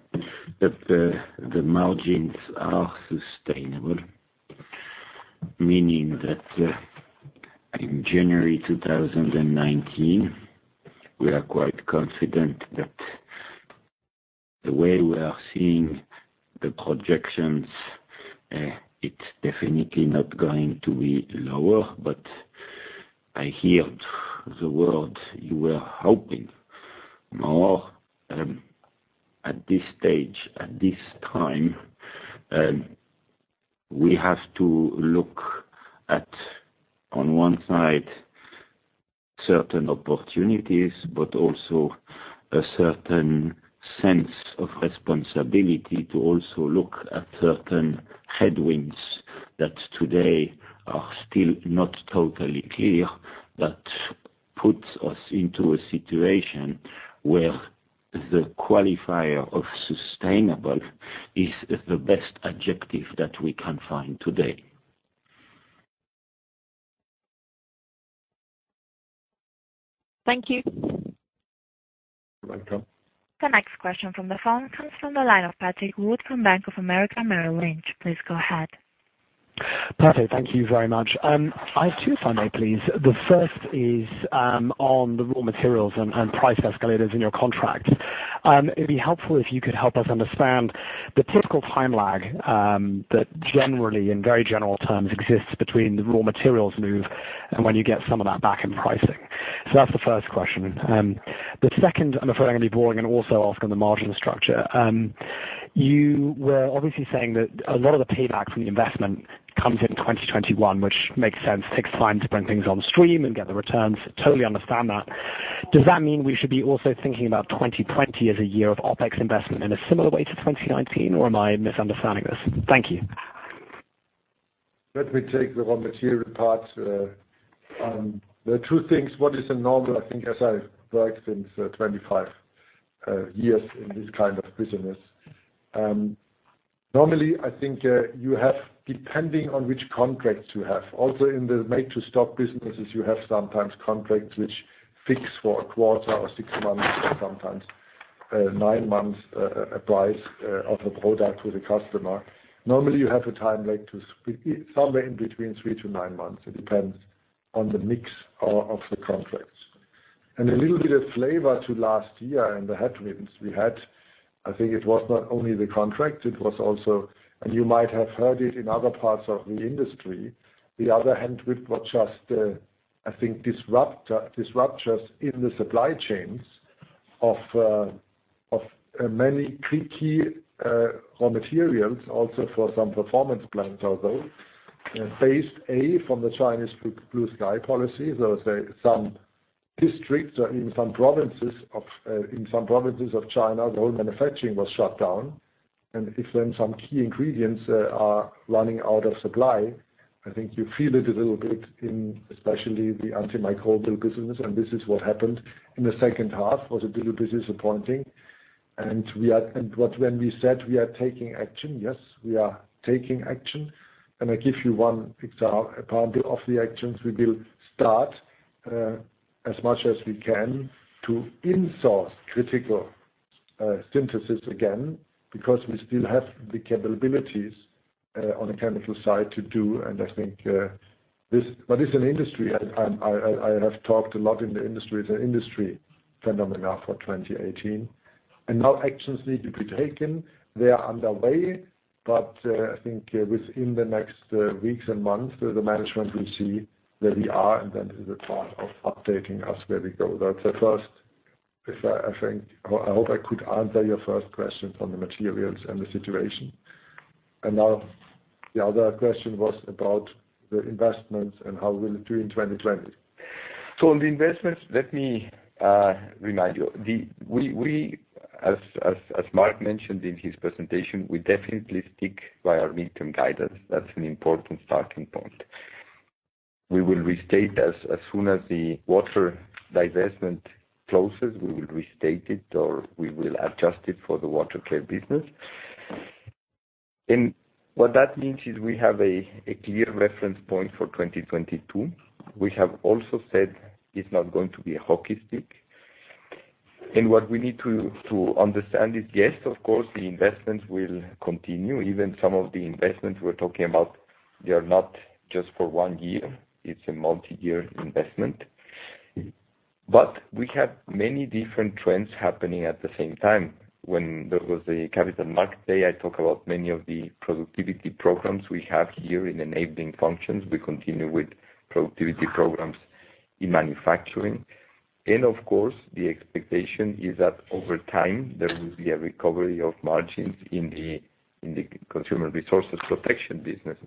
S4: that the margins are sustainable, meaning that in January 2019, we are quite confident that the way we are seeing the projections, it's definitely not going to be lower. I heard the word you were hoping more. At this stage, at this time, we have to look at, on one side, certain opportunities. Also a certain sense of responsibility to also look at certain headwinds that today are still not totally clear. That puts us into a situation where the qualifier of sustainable is the best adjective that we can find today.
S6: Thank you.
S2: Welcome.
S1: The next question from the phone comes from the line of Patrick Wood from Bank of America Merrill Lynch. Please go ahead.
S7: Patrick, thank you very much. I have two if I may, please. The first is on the raw materials and price escalators in your contract. It'd be helpful if you could help us understand the typical time lag that generally, in very general terms, exists between the raw materials move and when you get some of that back in pricing. That's the first question. The second, I'm afraid I'm going to be boring and also ask on the margin structure. You were obviously saying that a lot of the payback from the investment comes in 2021, which makes sense. Takes time to bring things on stream and get the returns. Totally understand that. Does that mean we should be also thinking about 2020 as a year of OpEx investment in a similar way to 2019, or am I misunderstanding this? Thank you.
S2: Let me take the raw material part. There are two things. What is a normal, I think as I've worked since 25 years in this kind of business. Normally, I think you have, depending on which contracts you have, also in the make to stock businesses, you have sometimes contracts which fix for a quarter or six months, sometimes nine months, price of a product with a customer. Normally, you have a time like somewhere in between three to nine months. It depends on the mix of the contracts. A little bit of flavor to last year and the headwinds we had, I think it was not only the contract, it was also You might have heard it in other parts of the industry. The other hand with was just, I think, disruptions in the supply chains of many key raw materials, also for some performance plans also. Phase A from the Chinese Blue Sky policy, though say some districts or in some provinces of China, the whole manufacturing was shut down. If then some key ingredients are running out of supply, I think you feel it a little bit in especially the antimicrobial business, and this is what happened in the second half, was a little bit disappointing. When we said we are taking action, yes, we are taking action. I give you one example of the actions. We will start, as much as we can, to insource critical synthesis again, because we still have the capabilities on the chemical side to do, and I think this It's an industry. I have talked a lot in the industry. It's an industry phenomenon for 2018. Now actions need to be taken. They are underway, I think within the next weeks and months, the management will see where we are, then in the course of updating us where we go. That's the first, I think. I hope I could answer your first question from the materials and the situation. Now the other question was about the investments and how will it do in 2020. On the investments, let me remind you. As Marc mentioned in his presentation, we definitely stick by our midterm guidance. That's an important starting point. We will restate as soon as the Water Care divestment closes, we will restate it or we will adjust it for the Water Care business. What that means is we have a clear reference point for 2022. We have also said it's not going to be a hockey stick. What we need to understand is, yes, of course, the investments will continue. Even some of the investments we're talking about, they are not just for one year, it's a multi-year investment. We have many different trends happening at the same time. When there was a Capital Markets Day, I talk about many of the productivity programs we have here in enabling functions. We continue with productivity programs in manufacturing. Of course, the expectation is that over time, there will be a recovery of margins in the Consumer & Resources Protection business.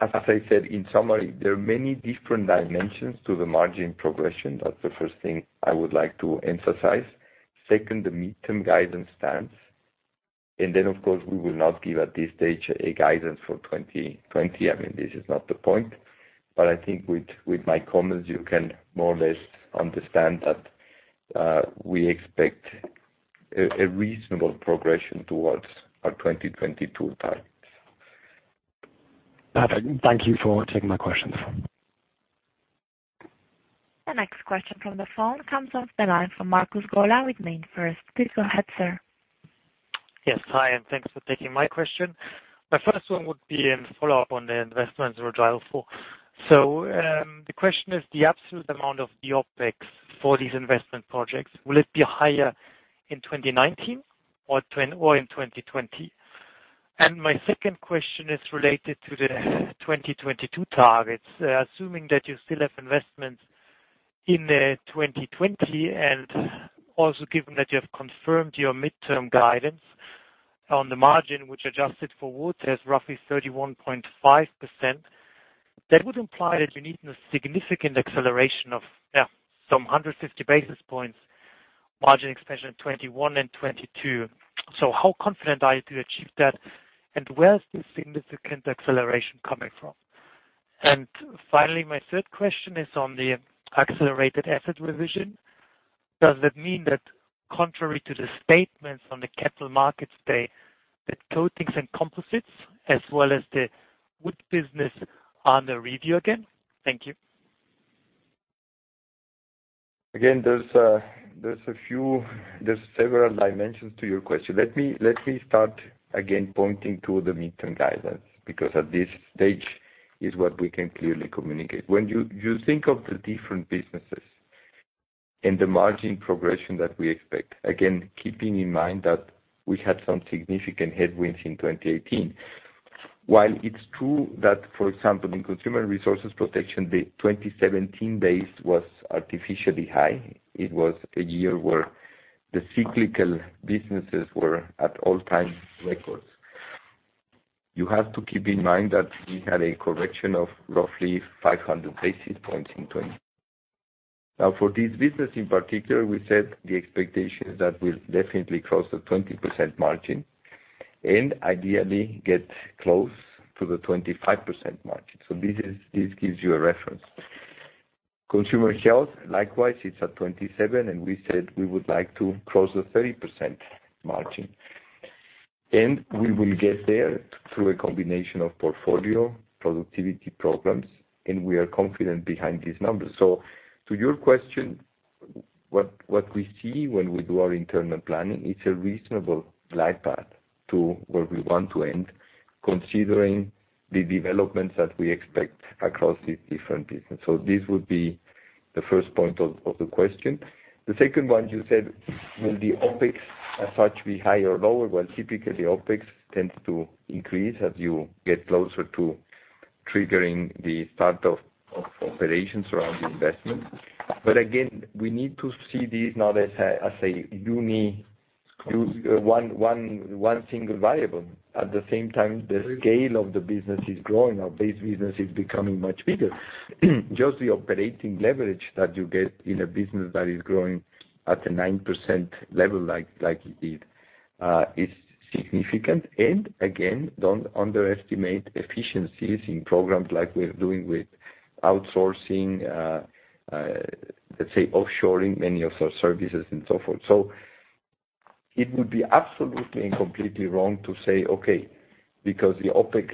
S2: As I said in summary, there are many different dimensions to the margin progression. That's the first thing I would like to emphasize. Second, the midterm guidance stands. Then, of course, we will not give at this stage a guidance for 2020. I mean, this is not the point. I think with my comments, you can more or less understand that we expect a reasonable progression towards our 2022 targets.
S7: Perfect. Thank you for taking my questions.
S1: The next question from the phone comes off the line from Markus Gola with MainFirst. Please go ahead, sir.
S8: Yes. Hi, thanks for taking my question. My first one would be in follow-up on the investments or dial four. The question is the absolute amount of the OpEx for these investment projects, will it be higher in 2019 or in 2020? My second question is related to the 2022 targets. Assuming that you still have investments in 2020, and also given that you have confirmed your midterm guidance on the margin, which adjusted for Wood has roughly 31.5%. How confident are you to achieve that? Where is this significant acceleration coming from? Finally, my third question is on the accelerated asset revision. Does that mean that contrary to the statements on the Capital Markets Day, that Coatings and Composites as well as the wood business are under review again? Thank you.
S2: Again, there's several dimensions to your question. Let me start again pointing to the midterm guidance, because at this stage
S3: Is what we can clearly communicate. When you think of the different businesses and the margin progression that we expect, again, keeping in mind that we had some significant headwinds in 2018. While it's true that, for example, in Consumer & Resources Protection, the 2017 base was artificially high. It was a year where the cyclical businesses were at all-time records. You have to keep in mind that we had a correction of roughly 500 basis points in 2020. For this business in particular, we said the expectation is that we'll definitely cross the 20% margin and ideally get close to the 25% margin. This gives you a reference. Consumer Health, likewise, it's at 27%, and we said we would like to cross the 30% margin. We will get there through a combination of portfolio, productivity programs, and we are confident behind these numbers. To your question, what we see when we do our internal planning, it's a reasonable life path to where we want to end, considering the developments that we expect across these different pieces. The second one you said, will the OpEx as such be higher or lower? Well, typically, OpEx tends to increase as you get closer to triggering the start of operations around the investment. Again, we need to see this not as one single variable. At the same time, the scale of the business is growing. Our base business is becoming much bigger. Just the operating leverage that you get in a business that is growing at a 9% level like it did is significant. Again, don't underestimate efficiencies in programs like we're doing with outsourcing, let's say off-shoring many of our services and so forth. It would be absolutely and completely wrong to say, okay, because the OpEx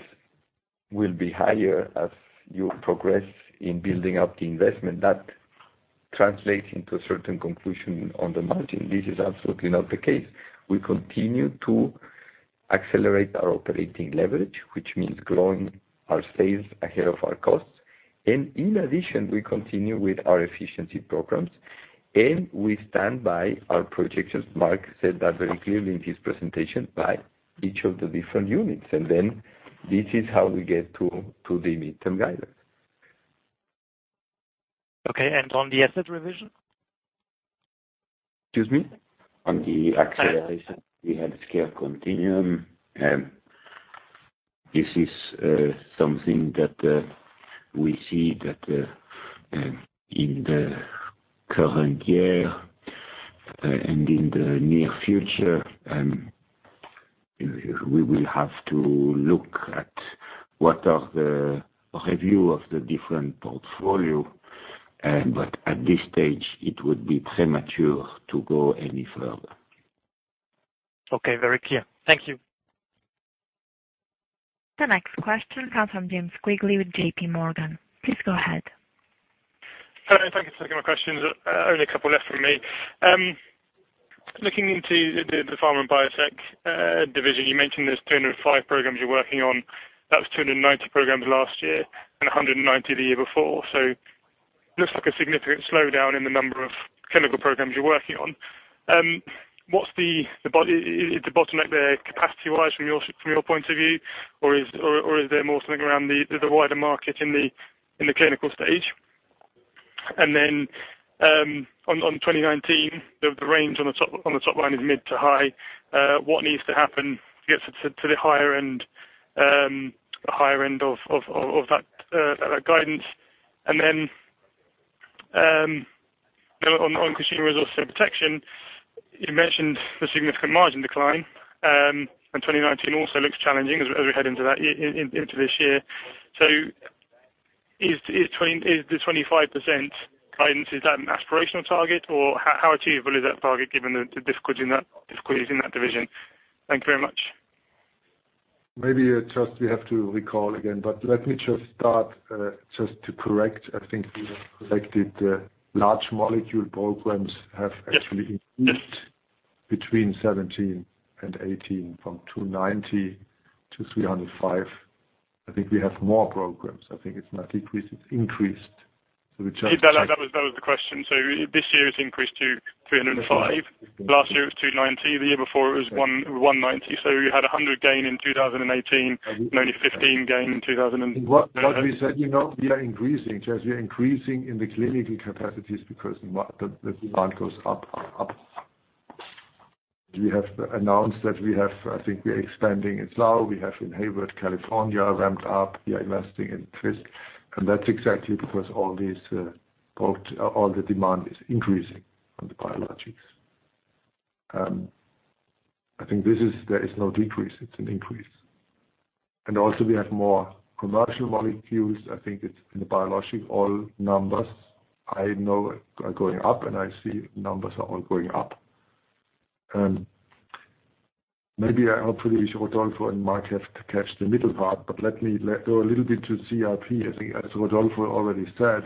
S3: will be higher as you progress in building up the investment, that translates into a certain conclusion on the margin. This is absolutely not the case. We continue to accelerate our operating leverage, which means growing our sales ahead of our costs. In addition, we continue with our efficiency programs, and we stand by our projections. Marc said that very clearly in his presentation by each of the different units, this is how we get to the midterm guidance.
S8: Okay. On the asset revision?
S3: Excuse me?
S4: On the asset revision, we have scale continuum. This is something that we see that in the current year and in the near future, we will have to look at what are the review of the different portfolio. At this stage, it would be premature to go any further.
S8: Okay. Very clear. Thank you.
S1: The next question comes from James Quigley with JPMorgan. Please go ahead.
S9: Hi. Thank you for taking my questions. Only a couple left from me. Looking into the Lonza Pharma & Biotech division, you mentioned there's 205 programs you're working on. That was 290 programs last year and 190 programs the year before. Looks like a significant slowdown in the number of clinical programs you're working on. Is it a bottleneck there capacity-wise from your point of view, or is there more something around the wider market in the clinical stage? On 2019, the range on the top line is mid to high. What needs to happen to get to the higher end of that guidance? On Consumer & Resources Protection, you mentioned the significant margin decline. 2019 also looks challenging as we head into this year. Is the 25% guidance, is that an aspirational target, or how achievable is that target given the difficulties in that division? Thank you very much.
S2: Maybe, James, we have to recall again. Let me just start just to correct, I think we have corrected large molecule programs have actually increased-
S9: Yes
S2: between 2017 and 2018 from 290 programs-305 programs. I think we have more programs. I think it's not decreased, it's increased.
S9: That was the question. This year it's increased to 305 programs. Last year it was 290 programs. The year before it was 190 programs. You had 100 programs gain in 2018 and only 15 programs gain in 2018.
S2: What we said, we are increasing, James. We are increasing in the clinical capacities because the demand goes up, up. We have announced that we have, I think we are expanding in Slough. We have in Hayward, California, ramped up. We are investing in Visp, that's exactly because all the demand is increasing on the biologics. I think there is no decrease. It's an increase. Also we have more commercial molecules. I think it's in the biologic. All numbers I know are going up, and I see numbers are all going up. Maybe, hopefully Rodolfo and Marc have to catch the middle part, but let me go a little bit to Consumer & Resources Protection. I think as Rodolfo already said.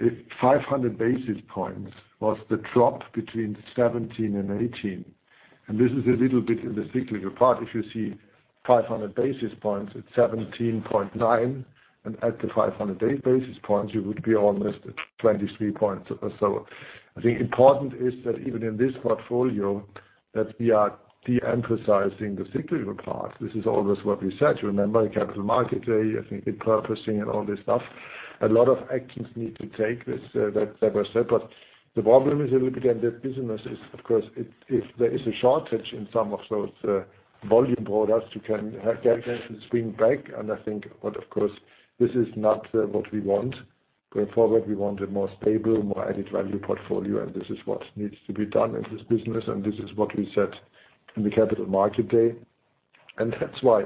S2: If 500 basis points was the drop between 2017 and 2018, and this is a little bit in the cyclical part, if you see 500 basis points, it's 17.9%, and at the 500 basis points, you would be almost at 23% or so. I think important is that even in this portfolio, that we are de-emphasizing the cyclical part. This is always what we said, you remember in Capital Markets Day, I think repurposing and all this stuff. A lot of actions need to take that were separate. The problem is a little bit in that business is, of course, if there is a shortage in some of those volume products, you can have that again spring back. I think, but of course, this is not what we want. Going forward, we want a more stable, more added value portfolio, this is what needs to be done in this business, this is what we said in the Capital Markets Day. That's why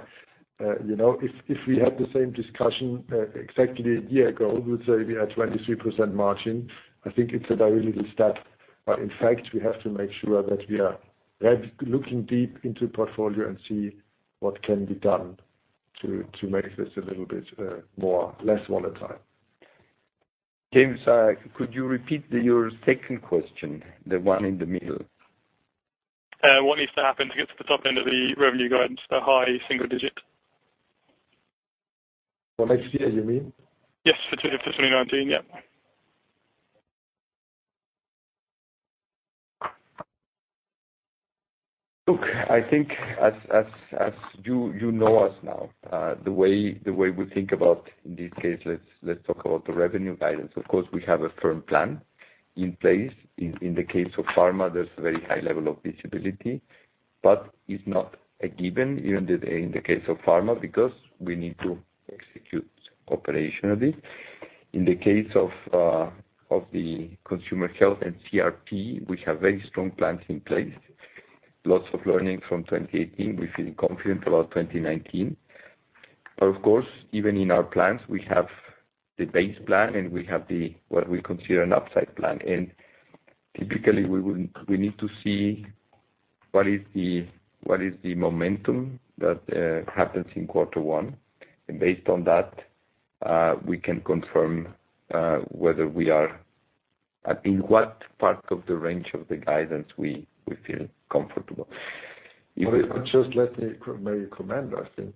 S2: if we had the same discussion exactly a year ago, we'd say we are at 23% margin. I think it's a very little stat. In fact, we have to make sure that we are looking deep into portfolio and see what can be done to make this a little bit less volatile.
S3: James, could you repeat your second question, the one in the middle?
S9: What needs to happen to get to the top end of the revenue guidance to high single digit?
S3: For next year, you mean?
S9: Yes, for 2019. Yep.
S3: Look, I think as you know us now, the way we think about, in this case, let's talk about the revenue guidance. Of course, we have a firm plan in place. In the case of pharma, there's a very high level of visibility. It's not a given, even in the case of pharma, because we need to execute operationally. In the case of the Consumer Health and Consumer & Resources Protection, we have very strong plans in place. Lots of learning from 2018. We feel confident about 2019. Of course, even in our plans, we have the base plan, and we have what we consider an upside plan. Typically, we need to see what is the momentum that happens in quarter one. Based on that, we can confirm in what part of the range of the guidance we feel comfortable.
S2: Just let me comment. I think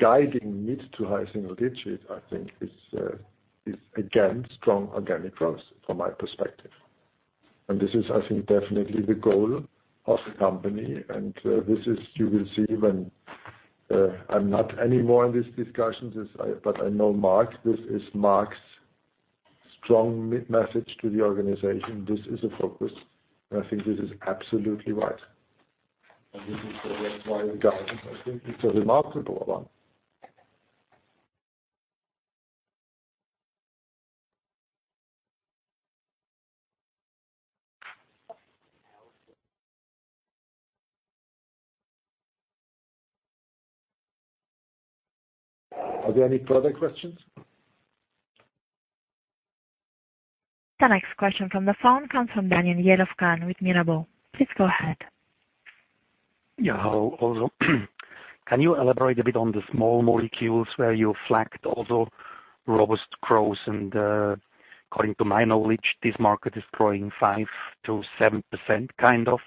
S2: guiding mid to high single digits is again, strong organic growth from my perspective. This is, I think, definitely the goal of the company, this is, you will see when I'm not anymore in these discussions, but I know Marc. This is Marc's strong message to the organization. This is a focus, I think this is absolutely right. This is also why the guidance, I think, it's a remarkable one.
S3: Are there any further questions?
S1: The next question from the phone comes from Daniel Jelovcan with Mirabaud. Please go ahead.
S10: Yeah. Hello, Rodolfo. Can you elaborate a bit on the small molecules where you flagged also robust growth. According to my knowledge, this market is growing 5%-7% kind of.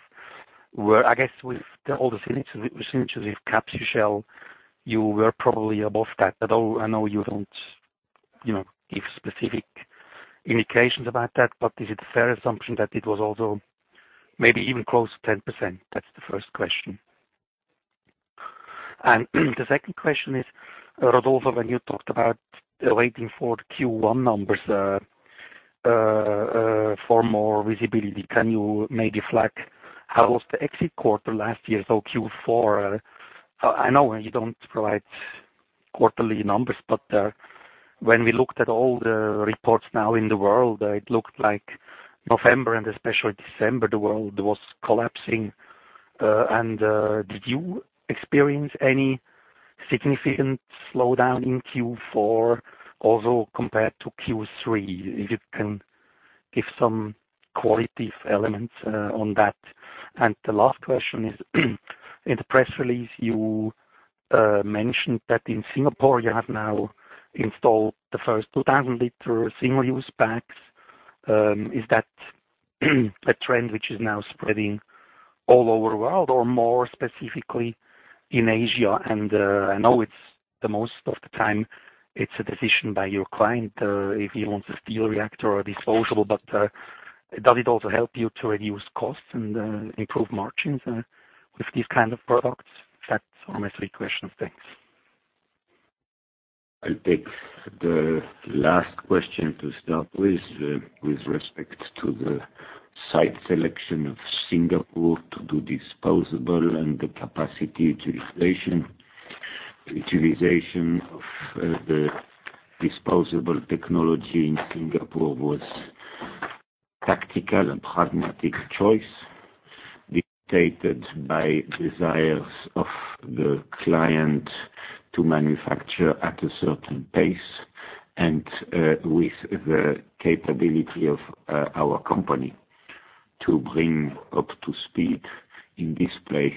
S10: I guess with all the synthesis, Capsugel, you were probably above that. I know you don't give specific indications about that, but is it a fair assumption that it was also maybe even close to 10%? That's the first question. The second question is, Rodolfo, when you talked about waiting for the Q1 numbers for more visibility, can you maybe flag how was the exit quarter last year? So Q4. I know you don't provide quarterly numbers. When we looked at all the reports now in the world, it looked like November and especially December, the world was collapsing. Did you experience any significant slowdown in Q4 also compared to Q3? If you can give some qualitative elements on that. The last question is, in the press release, you mentioned that in Singapore, you have now installed the first 2,000 liter single-use packs. Is that a trend which is now spreading all over the world or more specifically in Asia? I know most of the time it's a decision by your client if he wants a steel reactor or a disposable. Does it also help you to reduce costs and improve margins with these kind of products? That's all my three questions. Thanks.
S3: I'll take the last question to start with. With respect to the site selection of Singapore to do disposable. The capacity utilization of the disposable technology in Singapore was tactical and pragmatic choice, dictated by desires of the client to manufacture at a certain pace and with the capability of our company.
S4: To bring up to speed in this place,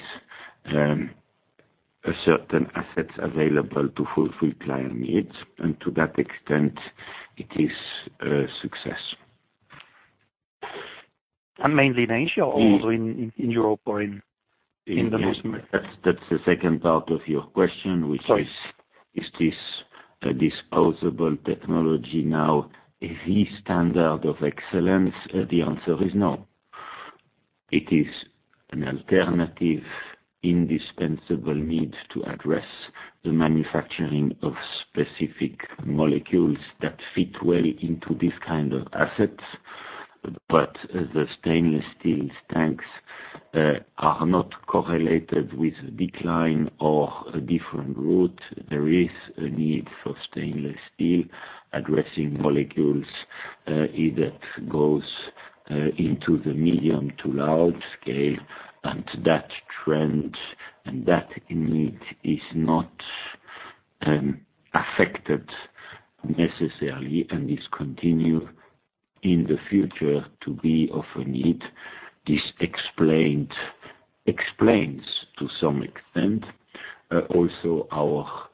S4: certain assets available to fulfill client needs. To that extent, it is a success.
S10: mainly in Asia, or in Europe or in North America?
S4: That's the second part of your question.
S10: Sorry
S4: which is this disposable technology now the standard of excellence? The answer is no. It is an alternative, indispensable need to address the manufacturing of specific molecules that fit well into this kind of assets. The stainless steel tanks are not correlated with decline or a different route. There is a need for stainless steel addressing molecules that goes into the medium to large scale. That trend and that need is not affected necessarily, and is continued in the future to be of a need. This explains, to some extent, also our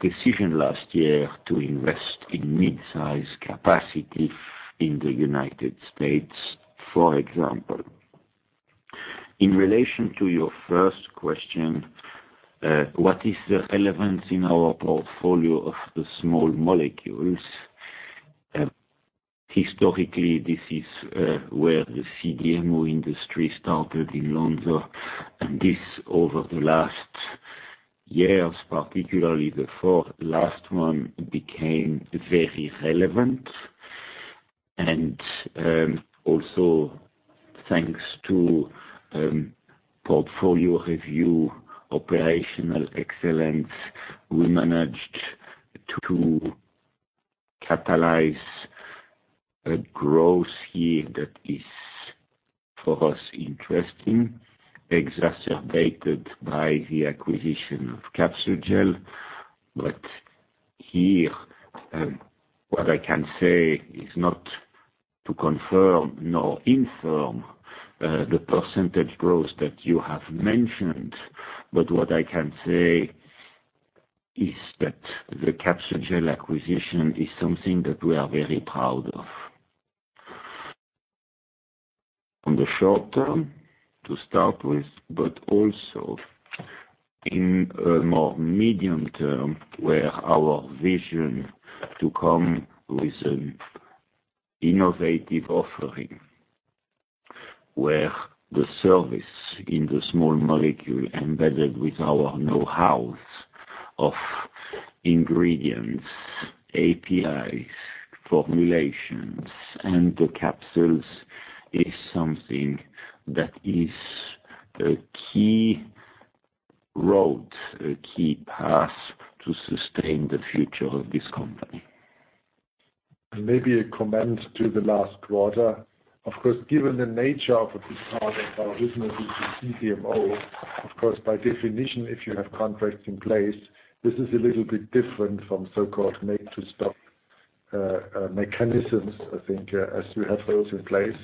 S4: decision last year to invest in mid-size capacity in the United States, for example. In relation to your first question, what is the relevance in our portfolio of the small molecules? Historically, this is where the CDMO industry started in Lonza, and this, over the last years, particularly the last one, became very relevant. Also, thanks to portfolio review, operational excellence, we managed to capitalize a growth here that is, for us, interesting, exacerbated by the acquisition of Capsugel. Here, what I can say is not to confirm nor infirm the percentage growth that you have mentioned, but what I can say is that the Capsugel acquisition is something that we are very proud of. On the short term to start with, but also in a more medium term, where our vision to come with an innovative offering, where the service in the small molecule embedded with our know-how of ingredients, APIs, formulations, and the capsules is something that is a key road, a key path to sustain the future of this company.
S2: Maybe a comment to the last quarter. Given the nature of the part of our business, which is CDMO, of course, by definition, if you have contracts in place, this is a little bit different from so-called make-to-stock mechanisms, I think, as we have those in place.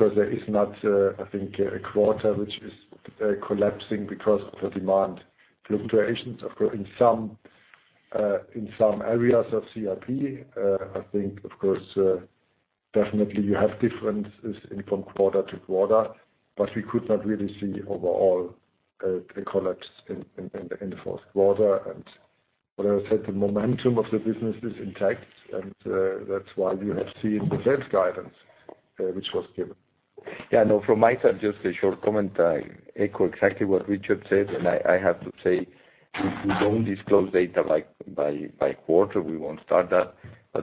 S2: There is not a quarter which is collapsing because of the demand fluctuations. In some areas of Consumer & Resources Protection, I think, of course, definitely you have differences from quarter to quarter. We could not really see overall a collapse in the fourth quarter. What I said, the momentum of the business is intact, and that's why you have seen the sales guidance which was given.
S3: No, from my side, just a short comment. I echo exactly what Richard said, and I have to say, we don't disclose data by quarter. We won't start that.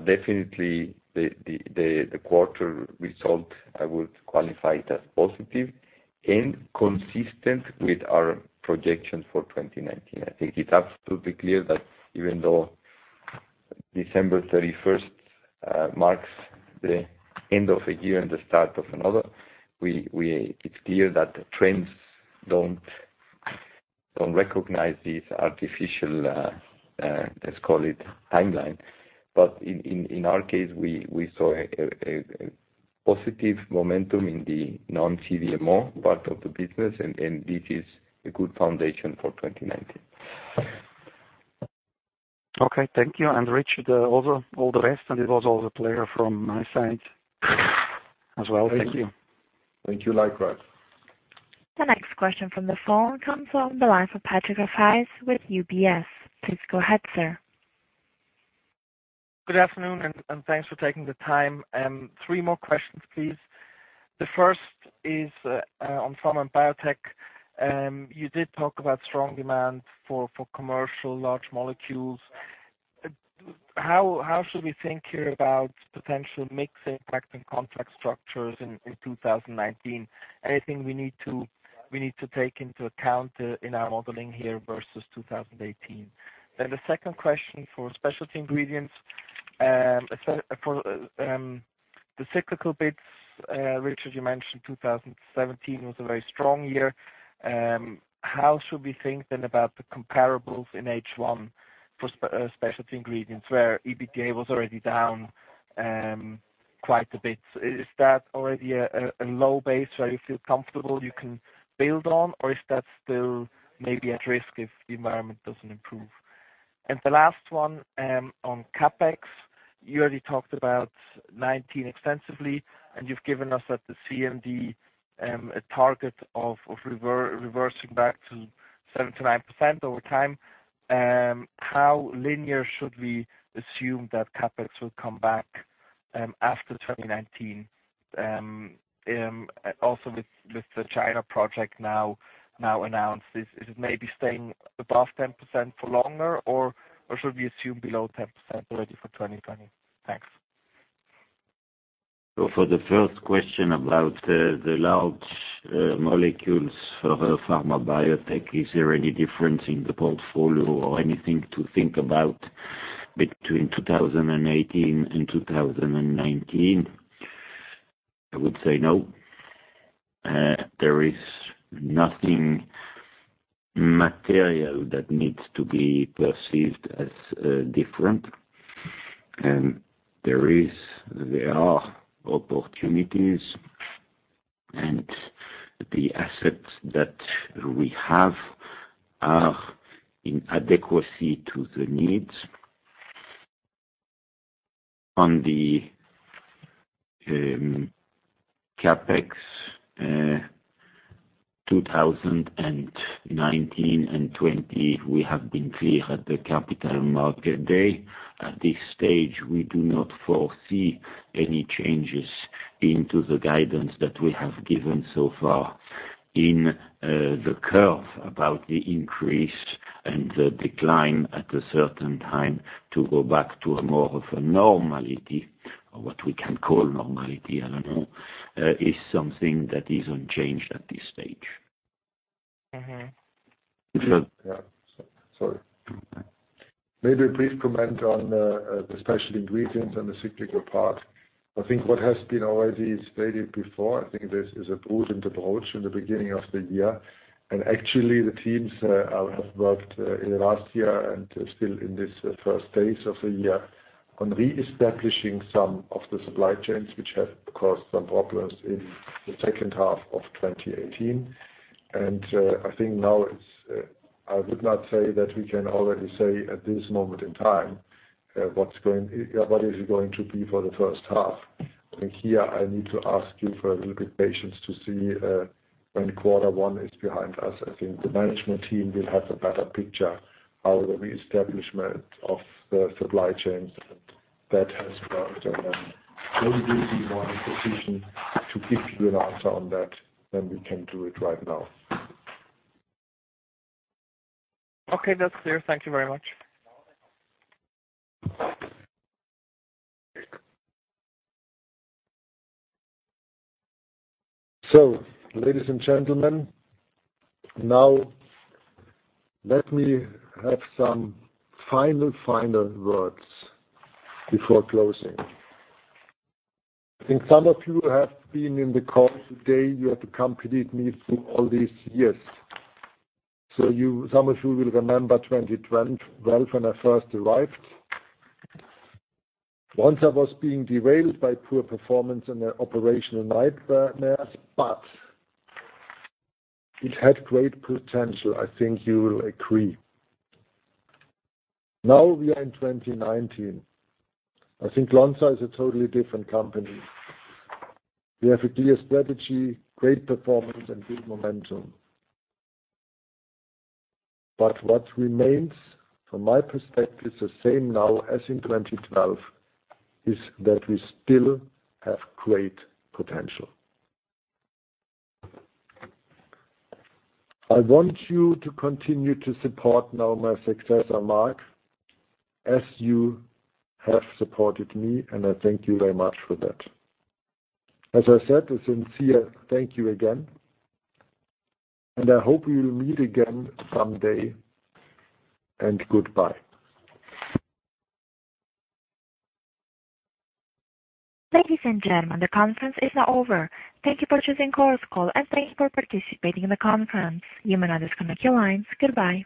S3: Definitely, the quarter result, I would qualify it as positive and consistent with our projections for 2019. It's absolutely clear that even though December 31st marks the end of a year and the start of another, it's clear that the trends don't recognize this artificial, let's call it timeline. In our case, we saw a positive momentum in the non-CDMO part of the business, and this is a good foundation for 2019.
S10: Okay. Thank you. Richard, all the rest, it was all clear from my side as well. Thank you.
S2: Thank you likewise.
S1: The next question from the phone comes from the line of Patrick Rafaisz with UBS. Please go ahead, sir.
S11: Good afternoon, and thanks for taking the time. Three more questions, please. The first is on Lonza Pharma & Biotech. You did talk about strong demand for commercial large molecules. How should we think here about potential mix impact and contract structures in 2019? Anything we need to take into account in our modeling here versus 2018? The second question for Specialty Ingredients. The cyclical bits, Richard, you mentioned 2017 was a very strong year. How should we think about the comparables in H1 for Specialty Ingredients, where EBITDA was already down quite a bit? Is that already a low base where you feel comfortable you can build on, or is that still maybe at risk if the environment doesn't improve? The last one on CapEx. You already talked about 2019 extensively, and you've given us at the CMD a target of reversing back to 7%-9% over time. How linear should we assume that CapEx will come back after 2019? Also with the China project now announced, is it maybe staying above 10% for longer or should we assume below 10% already for 2020? Thanks.
S4: For the first question about the large molecules for Lonza Pharma & Biotech, is there any difference in the portfolio or anything to think about between 2018 and 2019? I would say no. There is nothing material that needs to be perceived as different, and there are opportunities, and the assets that we have are in adequacy to the needs. On the CapEx 2019 and 2020, we have been clear at the Capital Markets Day. At this stage, we do not foresee any changes into the guidance that we have given so far. In the curve about the increase and the decline at a certain time, to go back to more of a normality or what we can call normality, I don't know, is something that is unchanged at this stage.
S2: Yeah. Sorry. Maybe a brief comment on the Specialty Ingredients and the cyclical part. I think what has been already stated before, I think this is a prudent approach in the beginning of the year. Actually, the teams have worked in the last year and still in this first phase of the year on reestablishing some of the supply chains, which have caused some problems in the second half of 2018. I think now I would not say that we can already say at this moment in time what it is going to be for the first half. I think here I need to ask you for a little bit patience to see when quarter one is behind us. I think the management team will have a better picture how the reestablishment of the supply chains that has worked, and then maybe we will be more in position to give you an answer on that than we can do it right now.
S11: Okay, that's clear. Thank you very much.
S2: Ladies and gentlemen, now let me have some final words before closing. I think some of you have been in the call today. You have accompanied me through all these years. Some of you will remember 2012 when I first arrived. Lonza was being derailed by poor performance and an operational nightmare, but it had great potential, I think you will agree. Now we are in 2019. I think Lonza is a totally different company. We have a clear strategy, great performance, and good momentum. What remains, from my perspective, the same now as in 2012 is that we still have great potential. I want you to continue to support now my successor, Marc, as you have supported me, and I thank you very much for that. As I said, a sincere thank you again, and I hope we will meet again someday, and goodbye.
S1: Ladies and gentlemen, the conference is now over. Thank you for choosing Chorus Call, and thank you for participating in the conference. You may now disconnect your lines. Goodbye.